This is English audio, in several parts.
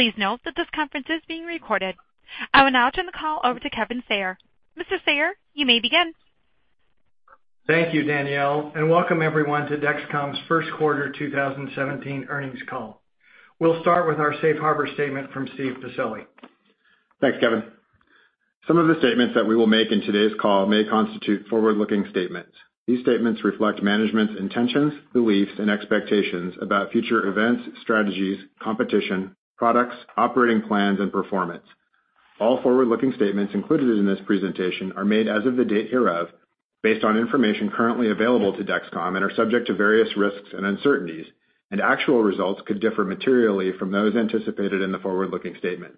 Please note that this conference is being recorded. I will now turn the call over to Kevin Sayer. Mr. Sayer, you may begin. Thank you, Danielle, and welcome everyone to Dexcom's First Quarter 2017 Earnings Call. We'll start with our safe harbor statement from Steve Pacelli. Thanks, Kevin. Some of the statements that we will make in today's call may constitute forward-looking statements. These statements reflect management's intentions, beliefs, and expectations about future events, strategies, competition, products, operating plans, and performance. All forward-looking statements included in this presentation are made as of the date hereof based on information currently available to Dexcom and are subject to various risks and uncertainties. Actual results could differ materially from those anticipated in the forward-looking statement.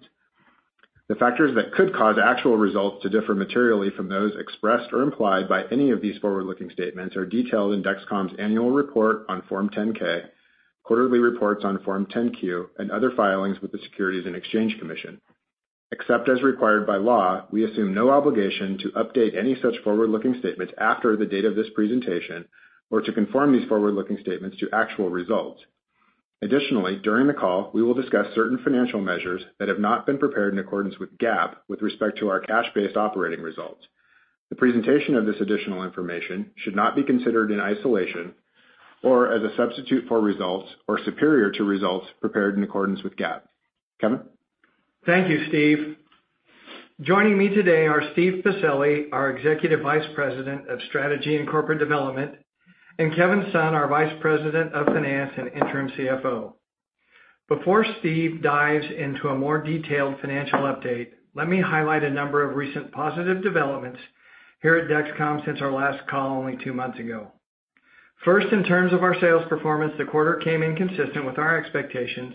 The factors that could cause actual results to differ materially from those expressed or implied by any of these forward-looking statements are detailed in Dexcom's annual report on Form 10-K, quarterly reports on Form 10-Q, and other filings with the Securities and Exchange Commission. Except as required by law, we assume no obligation to update any such forward-looking statements after the date of this presentation or to confirm these forward-looking statements to actual results. Additionally, during the call, we will discuss certain financial measures that have not been prepared in accordance with GAAP with respect to our cash-based operating results. The presentation of this additional information should not be considered in isolation or as a substitute for results or superior to results prepared in accordance with GAAP. Kevin? Thank you, Steve. Joining me today are Steve Pacelli, our Executive Vice President of Strategy and Corporate Development, and Kevin Sun, our Vice President of Finance and Interim CFO. Before Steve dives into a more detailed financial update, let me highlight a number of recent positive developments here at Dexcom since our last call only two months ago. First, in terms of our sales performance, the quarter came in consistent with our expectations,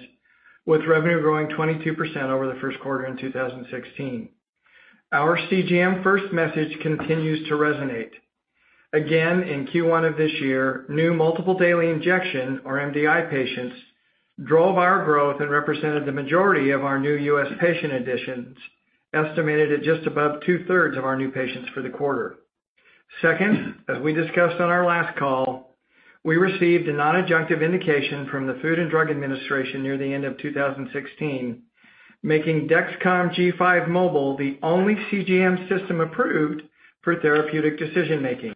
with revenue growing 22% over the first quarter in 2016. Our CGM first message continues to resonate. Again, in Q1 of this year, new multiple daily injection, or MDI patients, drove our growth and represented the majority of our new U.S. patient additions, estimated at just above two-thirds of our new patients for the quarter. Second, as we discussed on our last call, we received a non-adjunctive indication from the Food and Drug Administration near the end of 2016, making Dexcom G5 Mobile the only CGM system approved for therapeutic decision-making.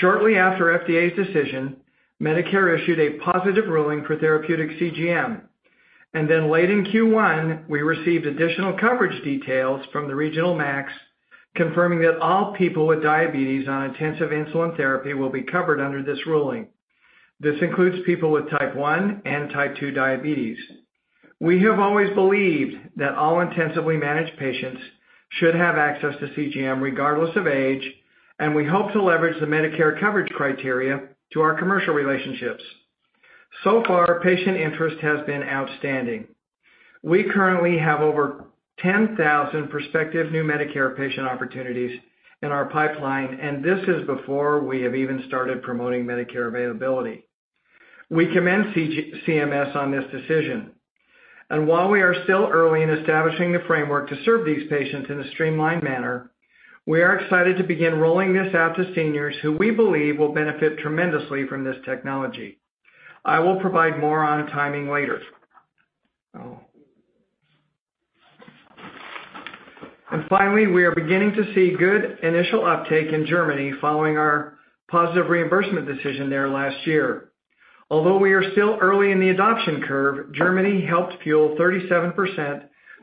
Shortly after FDA's decision, Medicare issued a positive ruling for therapeutic CGM. Late in Q1, we received additional coverage details from the regional MACs, confirming that all people with diabetes on intensive insulin therapy will be covered under this ruling. This includes people with Type 1 and Type 2 diabetes. We have always believed that all intensively managed patients should have access to CGM regardless of age, and we hope to leverage the Medicare coverage criteria to our commercial relationships. So far, patient interest has been outstanding. We currently have over 10,000 prospective new Medicare patient opportunities in our pipeline, and this is before we have even started promoting Medicare availability. We commend CMS on this decision. While we are still early in establishing the framework to serve these patients in a streamlined manner, we are excited to begin rolling this out to seniors who we believe will benefit tremendously from this technology. I will provide more on timing later. Finally, we are beginning to see good initial uptake in Germany following our positive reimbursement decision there last year. Although we are still early in the adoption curve, Germany helped fuel 37%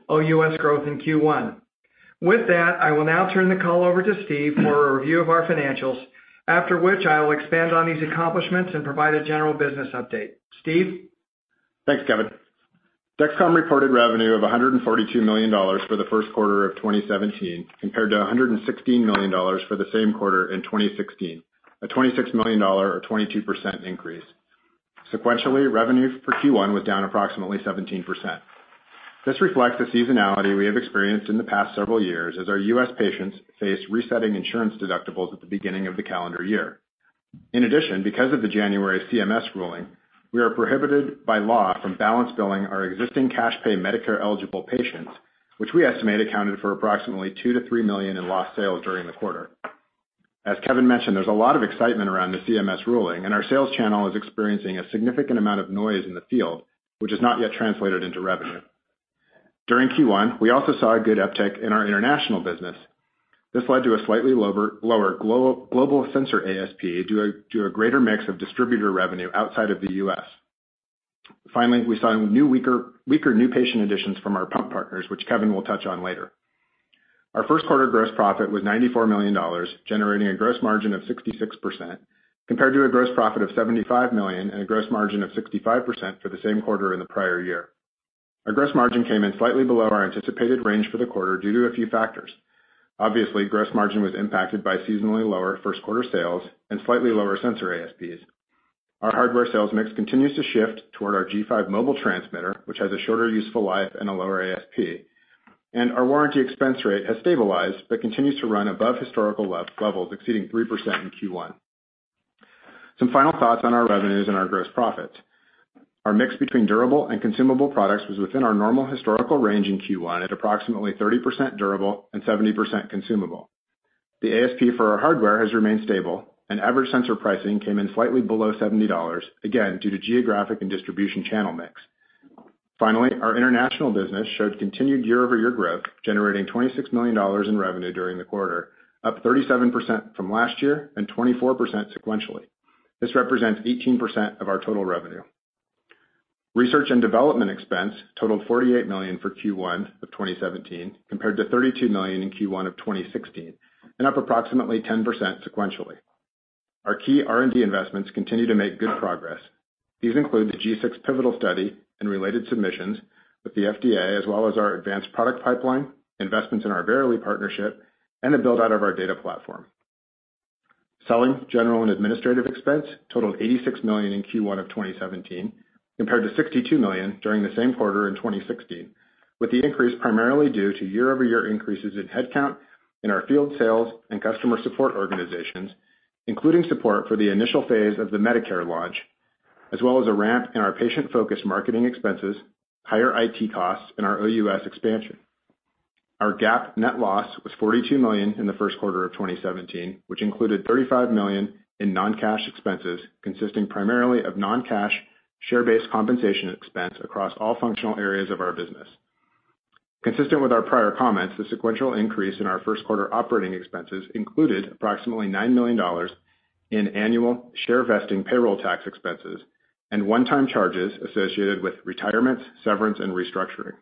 of U.S. growth in Q1. With that, I will now turn the call over to Steve for a review of our financials, after which I will expand on these accomplishments and provide a general business update. Steve. Thanks, Kevin. Dexcom reported revenue of $142 million for the first quarter of 2017 compared to $116 million for the same quarter in 2016, a $26 million or 22% increase. Sequentially, revenue for Q1 was down approximately 17%. This reflects the seasonality we have experienced in the past several years as our U.S. patients face resetting insurance deductibles at the beginning of the calendar year. In addition, because of the January CMS ruling, we are prohibited by law from balance billing our existing cash pay Medicare-eligible patients, which we estimate accounted for approximately $2 million to $3 million in lost sales during the quarter. As Kevin mentioned, there's a lot of excitement around the CMS ruling, and our sales channel is experiencing a significant amount of noise in the field, which has not yet translated into revenue. During Q1, we also saw a good uptick in our international business. This led to a slightly lower global sensor ASP due to a greater mix of distributor revenue outside of the U.S. Finally, we saw fewer new patient additions from our pump partners, which Kevin will touch on later. Our first quarter gross profit was $94 million, generating a gross margin of 66% compared to a gross profit of $75 million and a gross margin of 65% for the same quarter in the prior year. Our gross margin came in slightly below our anticipated range for the quarter due to a few factors. Obviously, gross margin was impacted by seasonally lower first quarter sales and slightly lower sensor ASPs. Our hardware sales mix continues to shift toward our G5 Mobile transmitter, which has a shorter useful life and a lower ASP. Our warranty expense rate has stabilized but continues to run above historical levels, exceeding 3% in Q1. Some final thoughts on our revenues and our gross profit. Our mix between durable and consumable products was within our normal historical range in Q1 at approximately 30% durable and 70% consumable. The ASP for our hardware has remained stable, and average sensor pricing came in slightly below $70, again, due to geographic and distribution channel mix. Finally, our international business showed continued year-over-year growth, generating $26 million in revenue during the quarter, up 37% from last year and 24% sequentially. This represents 18% of our total revenue. Research and development expense totaled $48 million for Q1 of 2017, compared to $32 million in Q1 of 2016, and up approximately 10% sequentially. Our key R&D investments continue to make good progress. These include the G6 pivotal study and related submissions with the FDA, as well as our advanced product pipeline, investments in our Verily partnership, and the build-out of our data platform. Selling, general and administrative expense totaled $86 million in Q1 of 2017, compared to $62 million during the same quarter in 2016, with the increase primarily due to year-over-year increases in headcount in our field sales and customer support organizations, including support for the initial phase of the Medicare launch, as well as a ramp in our patient-focused marketing expenses, higher IT costs, and our OUS expansion. Our GAAP net loss was $42 million in the first quarter of 2017, which included $35 million in non-cash expenses consisting primarily of non-cash share-based compensation expense across all functional areas of our business. Consistent with our prior comments, the sequential increase in our first quarter operating expenses included approximately $9 million in annual share vesting payroll tax expenses and one-time charges associated with retirements, severance, and restructuring.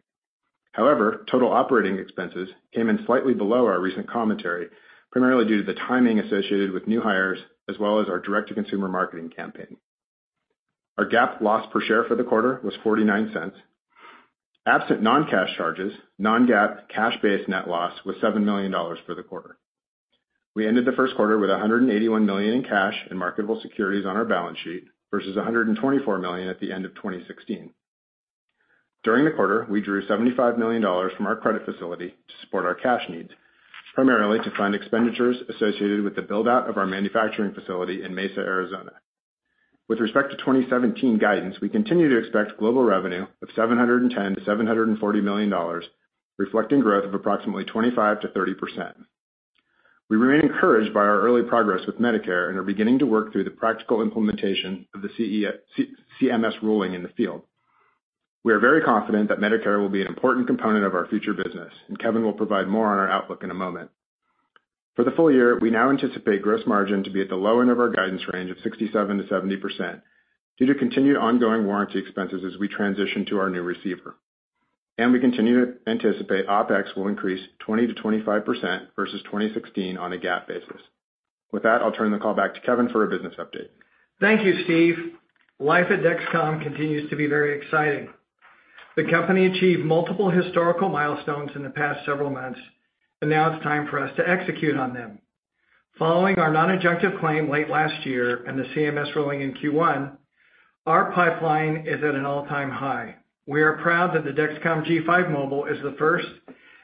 However, total operating expenses came in slightly below our recent commentary, primarily due to the timing associated with new hires as well as our direct-to-consumer marketing campaign. Our GAAP loss per share for the quarter was $0.49. Absent non-cash charges, non-GAAP cash-based net loss was $7 million for the quarter. We ended the first quarter with $181 million in cash and marketable securities on our balance sheet versus $124 million at the end of 2016. During the quarter, we drew $75 million from our credit facility to support our cash needs, primarily to fund expenditures associated with the build-out of our manufacturing facility in Mesa, Arizona. With respect to 2017 guidance, we continue to expect global revenue of $710 million-$740 million, reflecting growth of approximately 25%-30%. We remain encouraged by our early progress with Medicare and are beginning to work through the practical implementation of the CMS ruling in the field. We are very confident that Medicare will be an important component of our future business, and Kevin will provide more on our outlook in a moment. For the full year, we now anticipate gross margin to be at the low end of our guidance range of 67%-70% due to continued ongoing warranty expenses as we transition to our new receiver. We continue to anticipate OpEx will increase 20%-25% versus 2016 on a GAAP basis. With that, I'll turn the call back to Kevin for a business update. Thank you, Steve. Life at Dexcom continues to be very exciting. The company achieved multiple historical milestones in the past several months, and now it's time for us to execute on them. Following our non-adjunctive claim late last year and the CMS ruling in Q1, our pipeline is at an all-time high. We are proud that the Dexcom G5 Mobile is the first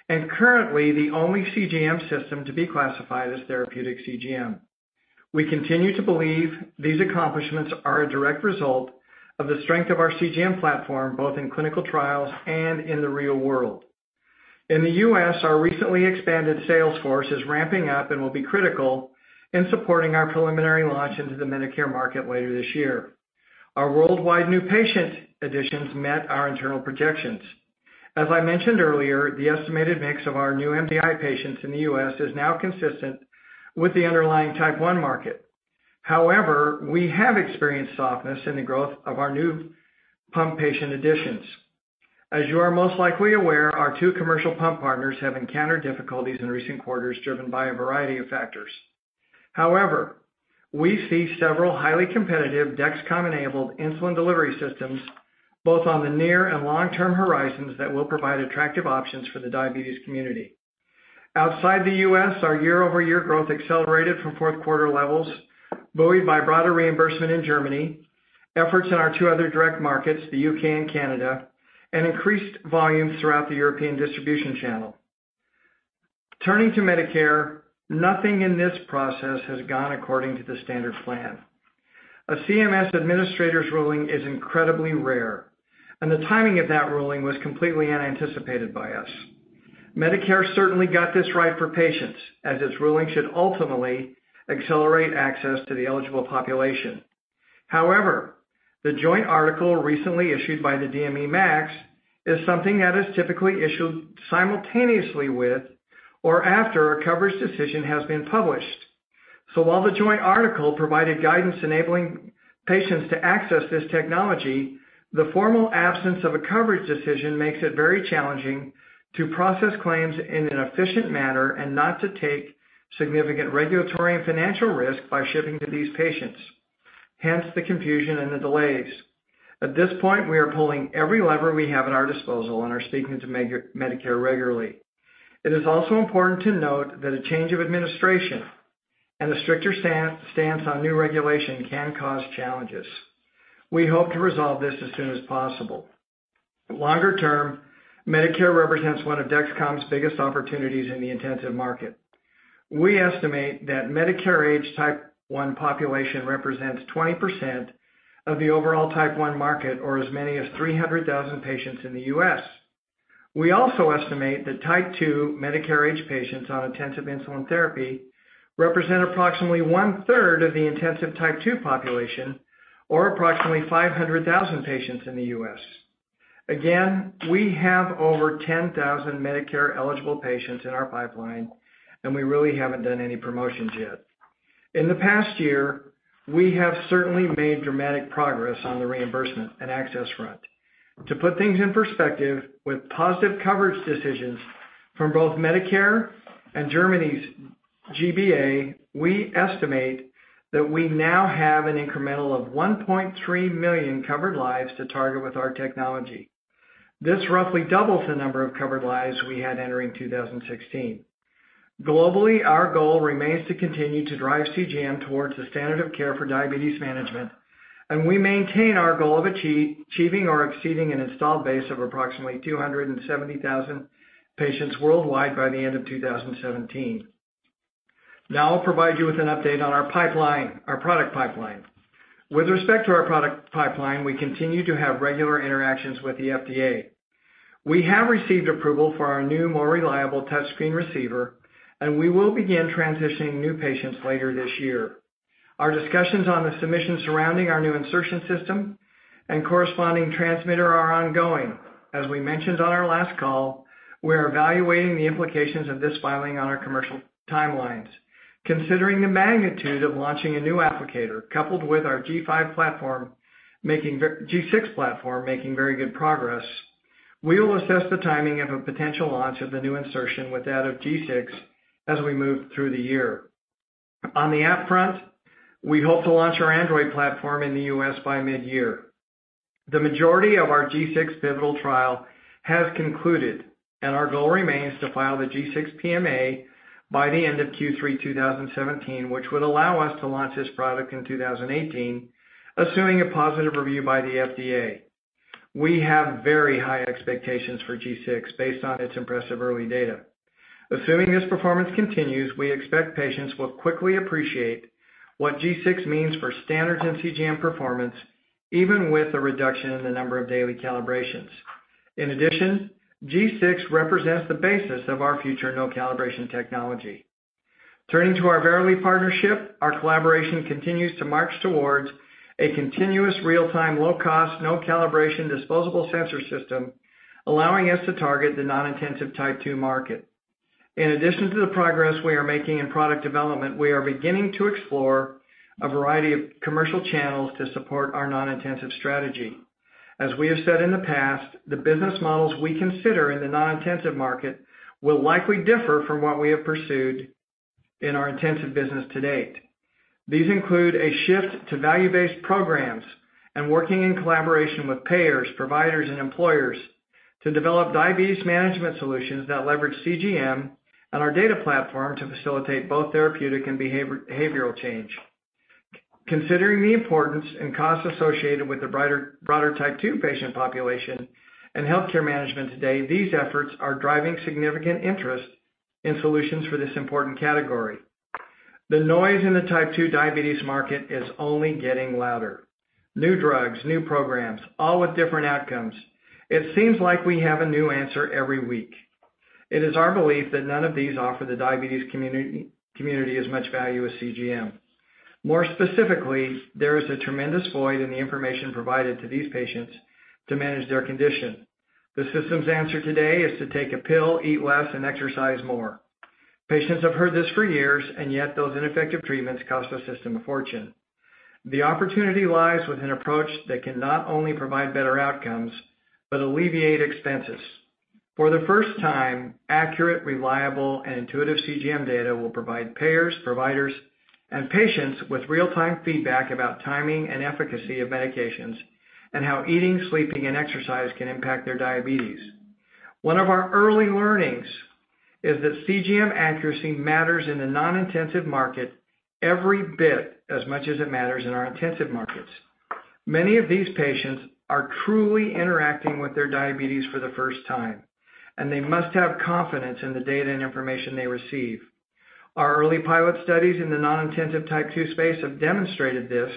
and currently the only CGM system to be classified as therapeutic CGM. We continue to believe these accomplishments are a direct result of the strength of our CGM platform, both in clinical trials and in the real world. In the U.S., our recently expanded sales force is ramping up and will be critical in supporting our preliminary launch into the Medicare market later this year. Our worldwide new patient additions met our internal projections. As I mentioned earlier, the estimated mix of our new MDI patients in the U.S. is now consistent with the underlying type one market. However, we have experienced softness in the growth of our new pump patient additions. As you are most likely aware, our two commercial pump partners have encountered difficulties in recent quarters driven by a variety of factors. However, we see several highly competitive Dexcom-enabled insulin delivery systems, both on the near and long-term horizons, that will provide attractive options for the diabetes community. Outside the U.S., our year-over-year growth accelerated from fourth quarter levels, buoyed by broader reimbursement in Germany, efforts in our two other direct markets, the U.K. and Canada, and increased volumes throughout the European distribution channel. Turning to Medicare, nothing in this process has gone according to the standard plan. A CMS administrator's ruling is incredibly rare, and the timing of that ruling was completely unanticipated by us. Medicare certainly got this right for patients, as its ruling should ultimately accelerate access to the eligible population. However, the joint article recently issued by the DME MACs is something that is typically issued simultaneously with or after a coverage decision has been published. While the joint article provided guidance enabling patients to access this technology, the formal absence of a coverage decision makes it very challenging to process claims in an efficient manner and not to take significant regulatory and financial risk by shipping to these patients, hence the confusion and the delays. At this point, we are pulling every lever we have at our disposal and are speaking to Medicare regularly. It is also important to note that a change of administration and a stricter stance on new regulation can cause challenges. We hope to resolve this as soon as possible. Longer term, Medicare represents one of Dexcom's biggest opportunities in the intensive market. We estimate that Medicare-age type 1 population represents 20% of the overall Type 1 market, or as many as 300,000 patients in the U.S. We also estimate that type 2 Medicare-aged patients on intensive insulin therapy represent approximately 1/3 of the intensive type 2 population or approximately 500,000 patients in the U.S. Again, we have over 10,000 Medicare-eligible patients in our pipeline, and we really haven't done any promotions yet. In the past year, we have certainly made dramatic progress on the reimbursement and access front. To put things in perspective, with positive coverage decisions from both Medicare and Germany's G-BA, we estimate that we now have an incremental of 1.3 million covered lives to target with our technology. This roughly doubles the number of covered lives we had entering 2016. Globally, our goal remains to continue to drive CGM towards the standard of care for diabetes management, and we maintain our goal of achieving or exceeding an installed base of approximately 270,000 patients worldwide by the end of 2017. Now I'll provide you with an update on our product pipeline. With respect to our product pipeline, we continue to have regular interactions with the FDA. We have received approval for our new, more reliable touchscreen receiver, and we will begin transitioning new patients later this year. Our discussions on the submission surrounding our new insertion system and corresponding transmitter are ongoing. As we mentioned on our last call, we are evaluating the implications of this filing on our commercial timelines. Considering the magnitude of launching a new applicator, coupled with our G5 platform making very good progress, we will assess the timing of a potential launch of the new insertion with that of G6 as we move through the year. On the app front, we hope to launch our Android platform in the U.S. by mid-year. The majority of our G6 pivotal trial has concluded, and our goal remains to file the G6 PMA by the end of Q3 2017, which would allow us to launch this product in 2018, assuming a positive review by the FDA. We have very high expectations for G6 based on its impressive early data. Assuming this performance continues, we expect patients will quickly appreciate what G6 means for standards in CGM performance, even with a reduction in the number of daily calibrations. In addition, G6 represents the basis of our future no-calibration technology. Turning to our Verily partnership, our collaboration continues to march towards a continuous real-time, low-cost, no-calibration disposable sensor system, allowing us to target the non-intensive type two market. In addition to the progress we are making in product development, we are beginning to explore a variety of commercial channels to support our non-intensive strategy. As we have said in the past, the business models we consider in the non-intensive market will likely differ from what we have pursued in our intensive business to date. These include a shift to value-based programs and working in collaboration with payers, providers, and employers to develop diabetes management solutions that leverage CGM and our data platform to facilitate both therapeutic and behavioral change. Considering the importance and cost associated with the broader type two patient population and healthcare management today, these efforts are driving significant interest in solutions for this important category. The noise in the Type 2 diabetes market is only getting louder. New drugs, new programs, all with different outcomes. It seems like we have a new answer every week. It is our belief that none of these offer the diabetes community as much value as CGM. More specifically, there is a tremendous void in the information provided to these patients to manage their condition. The system's answer today is to take a pill, eat less, and exercise more. Patients have heard this for years, and yet those ineffective treatments cost the system a fortune. The opportunity lies with an approach that can not only provide better outcomes but alleviate expenses. For the first time, accurate, reliable, and intuitive CGM data will provide payers, providers, and patients with real-time feedback about timing and efficacy of medications and how eating, sleeping, and exercise can impact their diabetes. One of our early learnings is that CGM accuracy matters in the non-intensive market every bit as much as it matters in our intensive markets. Many of these patients are truly interacting with their diabetes for the first time, and they must have confidence in the data and information they receive. Our early pilot studies in the non-intensive type two space have demonstrated this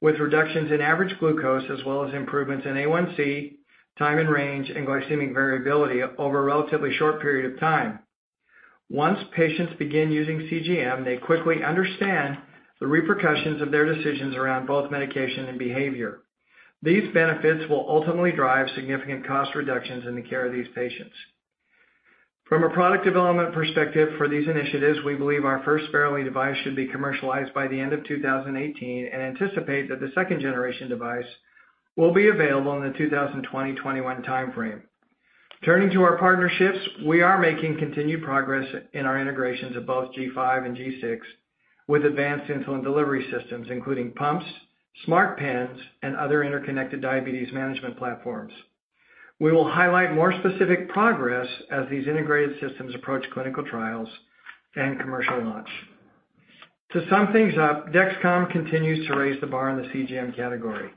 with reductions in average glucose as well as improvements in A1C, time in range, and glycemic variability over a relatively short period of time. Once patients begin using CGM, they quickly understand the repercussions of their decisions around both medication and behavior. These benefits will ultimately drive significant cost reductions in the care of these patients. From a product development perspective for these initiatives, we believe our first Verily device should be commercialized by the end of 2018 and anticipate that the second-generation device will be available in the 2020-2021 time frame. Turning to our partnerships, we are making continued progress in our integrations of both G5 and G6 with advanced insulin delivery systems, including pumps, smart pens, and other interconnected diabetes management platforms. We will highlight more specific progress as these integrated systems approach clinical trials and commercial launch. To sum things up, Dexcom continues to raise the bar in the CGM category.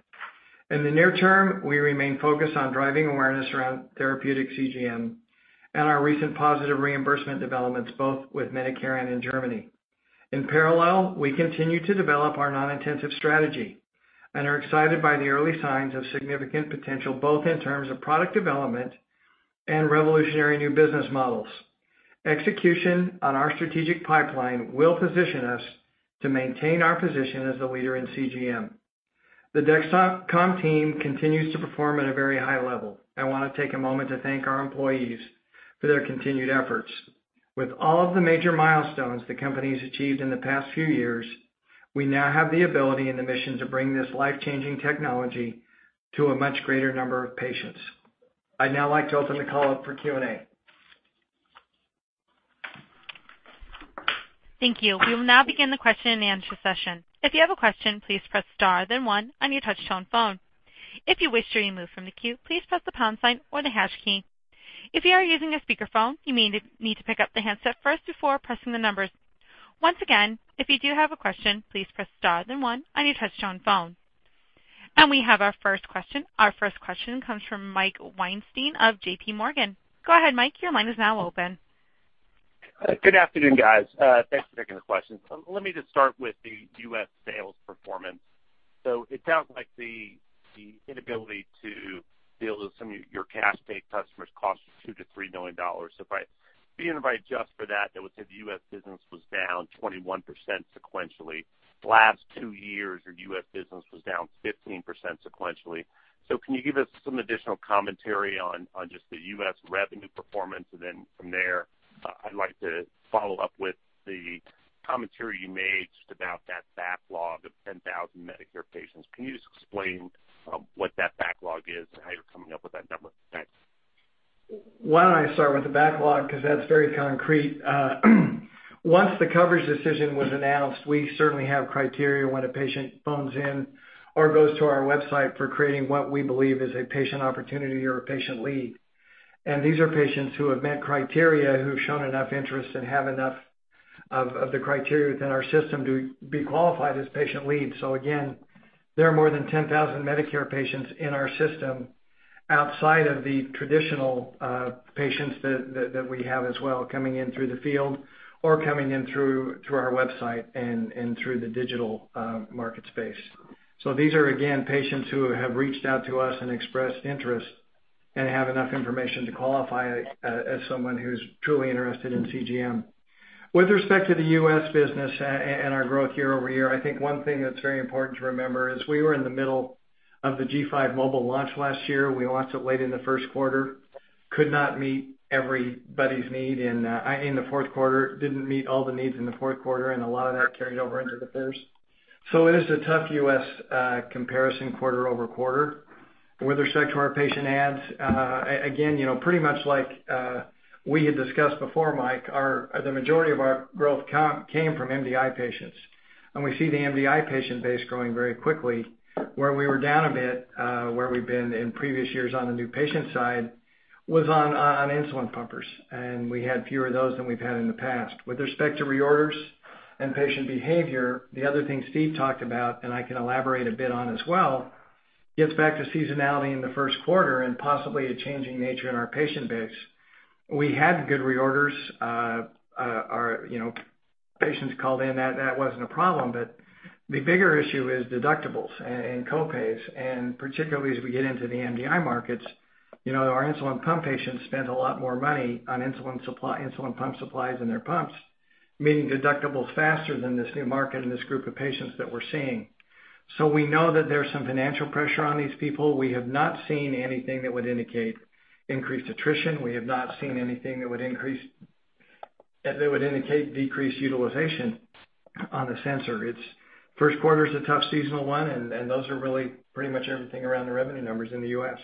In the near term, we remain focused on driving awareness around therapeutic CGM and our recent positive reimbursement developments, both with Medicare and in Germany. In parallel, we continue to develop our non-intensive strategy and are excited by the early signs of significant potential, both in terms of product development and revolutionary new business models. Execution on our strategic pipeline will position us to maintain our position as the leader in CGM. The Dexcom team continues to perform at a very high level. I wanna take a moment to thank our employees for their continued efforts. With all of the major milestones the company's achieved in the past few years, we now have the ability and the mission to bring this life-changing technology to a much greater number of patients. I'd now like to open the call up for Q&A. Thank you. We will now begin the question-and-answer session. If you have a question, please press star then one on your touchtone phone. If you wish to remove from the queue, please press the pound sign or the hash key. If you are using a speakerphone, you may need to pick up the handset first before pressing the numbers. Once again, if you do have a question, please press star then one on your touchtone phone. We have our first question. Our first question comes from Mike Weinstein of JPMorgan. Go ahead, Mike. Your line is now open. Good afternoon, guys. Thanks for taking the questions. Let me just start with the U.S. sales performance. It sounds like the inability to deal with some of your cash pay customers cost you $2 to $3 million. Even if I adjust for that would say the U.S. business was down 21% sequentially. The last two years, your U.S. business was down 15% sequentially. Can you give us some additional commentary on just the U.S. revenue performance? Then from there, I'd like to follow up with the commentary you made just about that backlog of 10,000 Medicare patients. Can you just explain what that backlog is and how you're coming up with that number? Thanks. Why don't I start with the backlog because that's very concrete. Once the coverage decision was announced, we certainly have criteria when a patient phones in or goes to our website for creating what we believe is a patient opportunity or a patient lead. These are patients who have met criteria, who've shown enough interest and have enough of the criteria within our system to be qualified as patient leads. Again, there are more than 10,000 Medicare patients in our system outside of the traditional patients that we have as well coming in through the field or coming in through our website and through the digital market space. These are, again, patients who have reached out to us and expressed interest and have enough information to qualify as someone who's truly interested in CGM. With respect to the U.S. business and our growth year-over-year, I think one thing that's very important to remember is we were in the middle of the G5 Mobile launch last year. We launched it late in the first quarter, could not meet everybody's need in the fourth quarter, didn't meet all the needs in the fourth quarter, and a lot of that carried over into the first. It is a tough U.S. comparison quarter-over-quarter. With respect to our patient adds, again, you know, pretty much like we had discussed before, Mike, the majority of our growth came from MDI patients, and we see the MDI patient base growing very quickly. Where we were down a bit, where we've been in previous years on the new patient side was on insulin pumpers, and we had fewer of those than we've had in the past. With respect to reorders and patient behavior, the other thing Steve talked about, and I can elaborate a bit on as well, gets back to seasonality in the first quarter and possibly a changing nature in our patient base. We had good reorders. Our, you know, patients called in. That wasn't a problem. But the bigger issue is deductibles and co-pays, and particularly as we get into the MDI markets, you know, our insulin pump patients spend a lot more money on insulin supply, insulin pump supplies and their pumps, meeting deductibles faster than this new market and this group of patients that we're seeing. We know that there's some financial pressure on these people. We have not seen anything that would indicate increased attrition. We have not seen anything that would indicate decreased utilization on the sensor. It's first quarter is a tough seasonal one, and those are really pretty much everything around the revenue numbers in the U.S.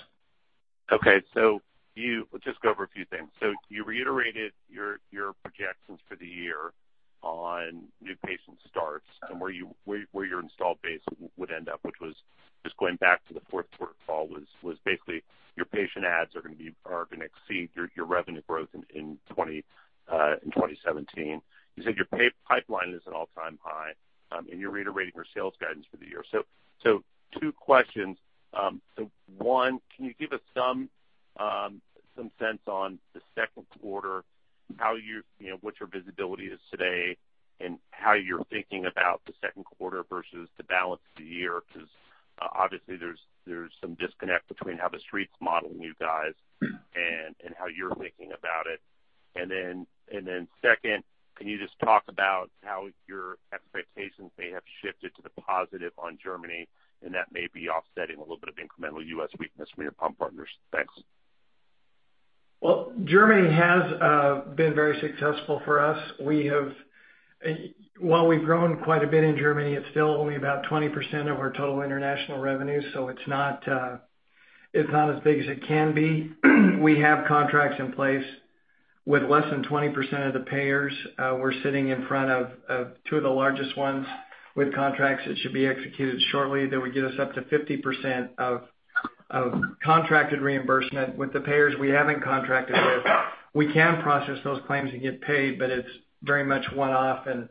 Okay. You just go over a few things. You reiterated your projections for the year on new patient starts and where your installed base would end up, which was just going back to the fourth quarter call, was basically your patient adds are gonna exceed your revenue growth in 2017. You said your pipeline is at an all-time high, and you're reiterating your sales guidance for the year. Two questions. One, can you give us some sense on the second quarter, how you know, what your visibility is today and how you're thinking about the second quarter versus the balance of the year? Because obviously, there's some disconnect between how the Street's modeling you guys and how you're thinking about it. Second, can you just talk about how your expectations may have shifted to the positive on Germany and that may be offsetting a little bit of incremental U.S. weakness from your pump partners? Thanks. Well, Germany has been very successful for us. While we've grown quite a bit in Germany, it's still only about 20% of our total international revenue, so it's not as big as it can be. We have contracts in place with less than 20% of the payers. We're sitting in front of two of the largest ones with contracts that should be executed shortly that would get us up to 50% of contracted reimbursement. With the payers we haven't contracted with, we can process those claims and get paid, but it's very much one-off and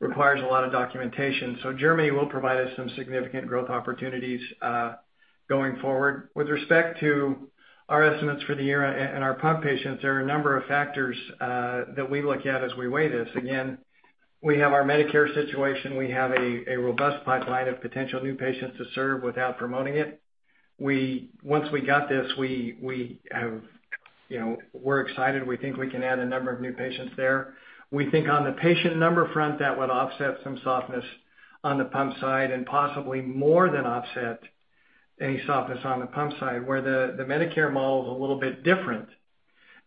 requires a lot of documentation. Germany will provide us some significant growth opportunities going forward. With respect to our estimates for the year and our pump patients, there are a number of factors that we look at as we weigh this. Again, we have our Medicare situation. We have a robust pipeline of potential new patients to serve without promoting it. Once we got this, we have, you know, we're excited. We think we can add a number of new patients there. We think on the patient number front, that would offset some softness on the pump side and possibly more than offset any softness on the pump side. Where the Medicare model is a little bit different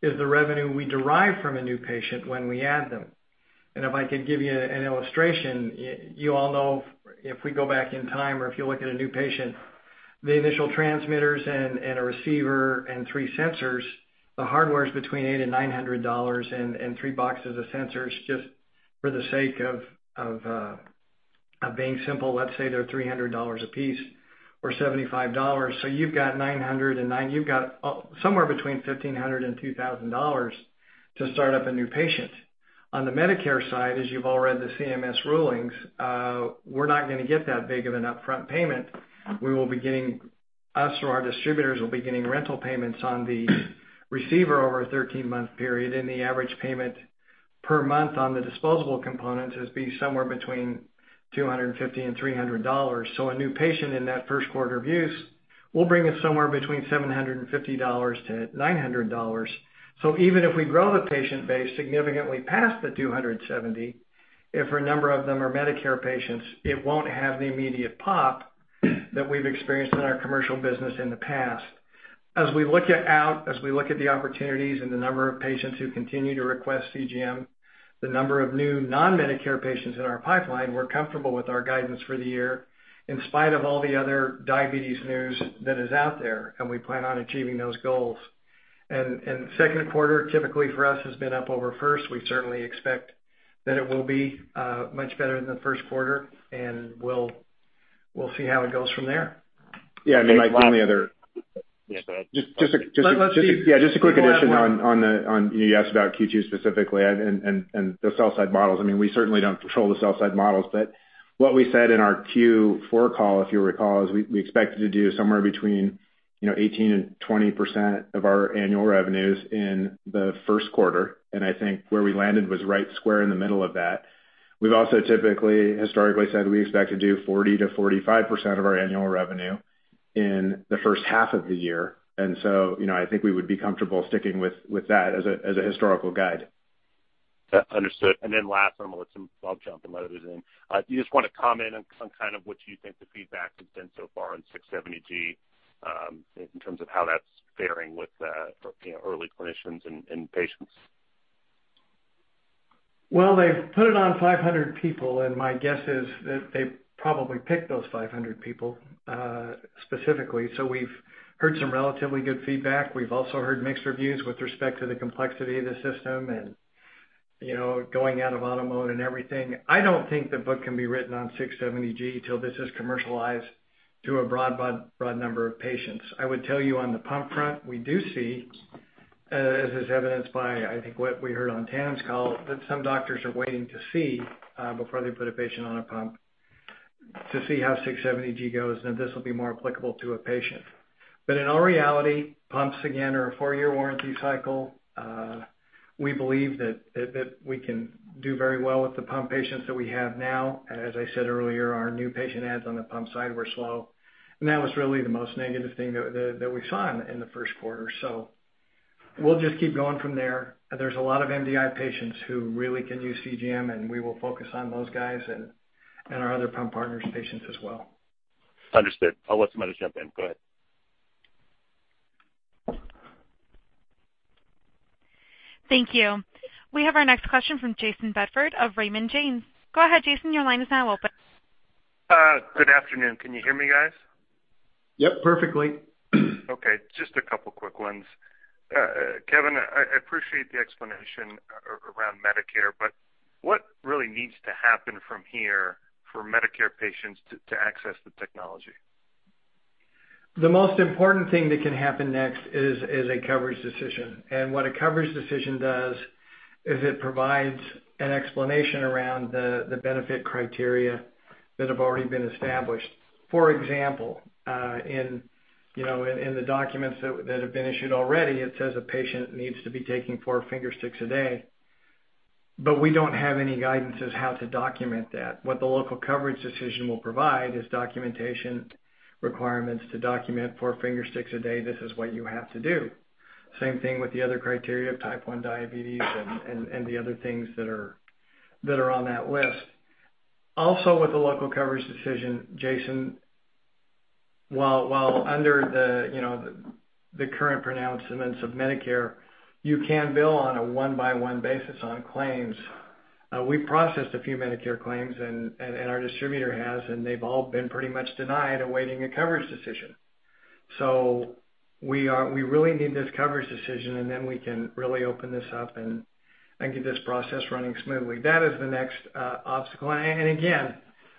is the revenue we derive from a new patient when we add them. If I could give you an illustration, you all know if we go back in time or if you look at a new patient, the initial transmitters and a receiver and three sensors, the hardware is between $800 and $900 and three boxes of sensors, just for the sake of being simple, let's say they're $300 a piece or $75. You've got somewhere between $1,500 and $2,000 to start up a new patient. On the Medicare side, as you've all read the CMS rulings, we're not gonna get that big of an upfront payment.us or our distributors will be getting rental payments on the receiver over a 13-month period, and the average payment per month on the disposable components is somewhere between $250 and $300. A new patient in that first quarter of use will bring us somewhere between $750 and $900. Even if we grow the patient base significantly past the 270, if a number of them are Medicare patients, it won't have the immediate pop that we've experienced in our commercial business in the past. As we look at the opportunities and the number of patients who continue to request CGM, the number of new non-Medicare patients in our pipeline, we're comfortable with our guidance for the year in spite of all the other diabetes news that is out there, and we plan on achieving those goals. Second quarter, typically for us, has been up over first. We certainly expect that it will be much better than the first quarter, and we'll see how it goes from there. Yeah. I mean, Mike, one of the other. Yes, go ahead. Just a, just a... Let's see. Yeah, just a quick addition. You asked about Q2 specifically and the sell-side models. I mean, we certainly don't control the sell-side models, but what we said in our Q4 call, if you recall, is we expected to do somewhere between, you know, 18 to 20% of our annual revenues in the first quarter, and I think where we landed was right square in the middle of that. We've also typically historically said we expect to do 40% to 45% of our annual revenue in the first half of the year. You know, I think we would be comfortable sticking with that as a historical guide. Understood. Last one, I'll jump and let others in. Do you just wanna comment on kind of what you think the feedback has been so far on 670G, in terms of how that's faring with, you know, early clinicians and patients? Well, they've put it on 500 people, and my guess is that they probably picked those 500 people specifically. We've heard some relatively good feedback. We've also heard mixed reviews with respect to the complexity of the system and, you know, going out of auto mode and everything. I don't think the book can be written on 670G till this is commercialized to a broad number of patients. I would tell you on the pump front, we do see, as is evidenced by, I think, what we heard on Tandem's call, that some doctors are waiting to see, before they put a patient on a pump to see how 670G goes, then this will be more applicable to a patient. In all reality, pumps, again, are a four-year warranty cycle. We believe that we can do very well with the pump patients that we have now. As I said earlier, our new patient adds on the pump side were slow, and that was really the most negative thing that we saw in the first quarter. We'll just keep going from there. There's a lot of MDI patients who really can use CGM, and we will focus on those guys and our other pump partners patients as well. Understood. I'll let somebody jump in. Go ahead. Thank you. We have our next question from Jayson Bedford of Raymond James. Go ahead, Jayson. Your line is now open. Good afternoon. Can you hear me, guys? Yep, perfectly. Okay, just a couple of quick ones. Kevin, I appreciate the explanation around Medicare, but what really needs to happen from here for Medicare patients to access the technology? The most important thing that can happen next is a coverage decision. What a coverage decision does is it provides an explanation around the benefit criteria that have already been established. For example, you know, in the documents that have been issued already, it says a patient needs to be taking four finger sticks a day, but we don't have any guidances how to document that. What the local coverage determination will provide is documentation requirements to document four finger sticks a day. This is what you have to do. Same thing with the other criteria of Type 1 diabetes and the other things that are on that list. Also, with the local coverage determination, Jayson, while under the current pronouncements of Medicare, you can bill on a one-by-one basis on claims. We processed a few Medicare claims, and our distributor has, and they've all been pretty much denied awaiting a coverage decision. We really need this coverage decision, and then we can really open this up and get this process running smoothly. That is the next obstacle. Again,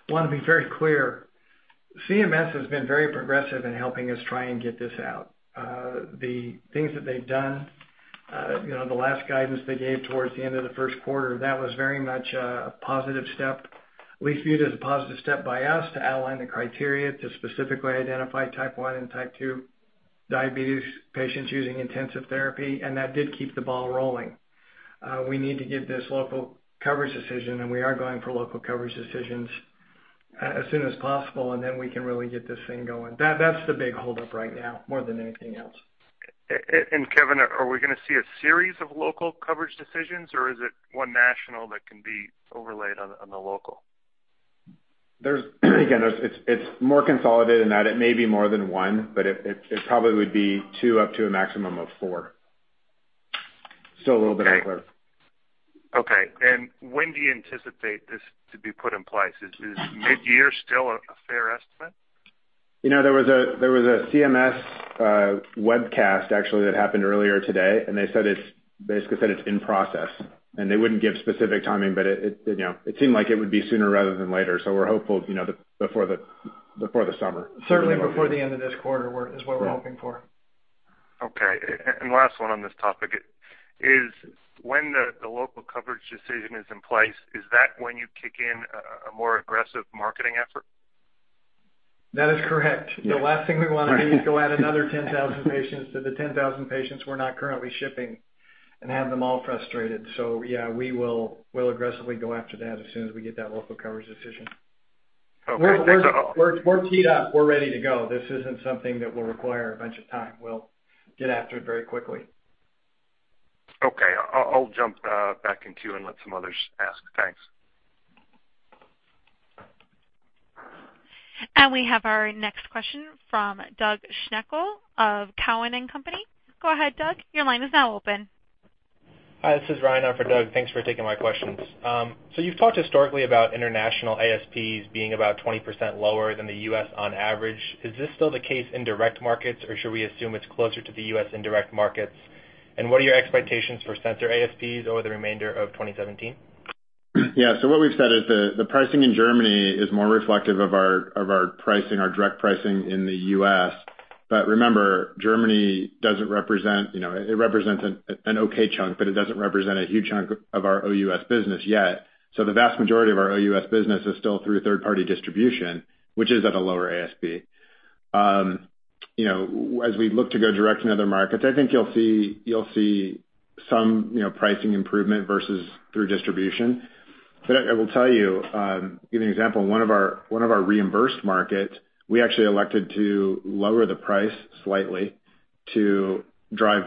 I wanna be very clear, CMS has been very progressive in helping us try and get this out. The things that they've done, you know, the last guidance they gave towards the end of the first quarter, that was very much a positive step. We viewed it as a positive step by us to outline the criteria to specifically identify Type 1 and Type 2 diabetes patients using intensive therapy, and that did keep the ball rolling. We need to get this local coverage determination, and we are going for local coverage determinations as soon as possible, and then we can really get this thing going. That's the big holdup right now more than anything else. Kevin, are we gonna see a series of local coverage decisions, or is it one national that can be overlaid on the local? There's again, it's more consolidated in that it may be more than one, but it probably would be two up to a maximum of four. Still a little bit unclear. Okay. When do you anticipate this to be put in place? Is midyear still a fair estimate? You know, there was a CMS webcast actually that happened earlier today, and they basically said it's in process. They wouldn't give specific timing, but it, you know, seemed like it would be sooner rather than later. We're hopeful, you know, before the summer. Certainly before the end of this quarter is what we're hoping for. Last one on this topic. Is when the local coverage decision is in place, is that when you kick in a more aggressive marketing effort? That is correct. Yeah. The last thing we wanna do is go add another 10,000 patients to the 10,000 patients we're not currently shipping and have them all frustrated. Yeah, we will, we'll aggressively go after that as soon as we get that local coverage decision. Okay. We're teed up. We're ready to go. This isn't something that will require a bunch of time. We'll get after it very quickly. Okay. I'll jump back in queue and let some others ask. Thanks. We have our next question from Doug Schenkel of Cowen and Company. Go ahead, Doug. Your line is now open. Hi, this is Ryan on for Doug. Thanks for taking my questions. You've talked historically about international ASPs being about 20% lower than the U.S. on average. Is this still the case in direct markets, or should we assume it's closer to the U.S. indirect markets? What are your expectations for sensor ASPs over the remainder of 2017? Yeah. What we've said is the pricing in Germany is more reflective of our pricing, our direct pricing in the U.S. Remember, Germany doesn't represent, you know, it represents an okay chunk, but it doesn't represent a huge chunk of our OUS business yet. The vast majority of our OUS business is still through third-party distribution, which is at a lower ASP. As we look to go direct in other markets, I think you'll see some, you know, pricing improvement versus through distribution. I will tell you, give you an example, one of our reimbursed markets, we actually elected to lower the price slightly to drive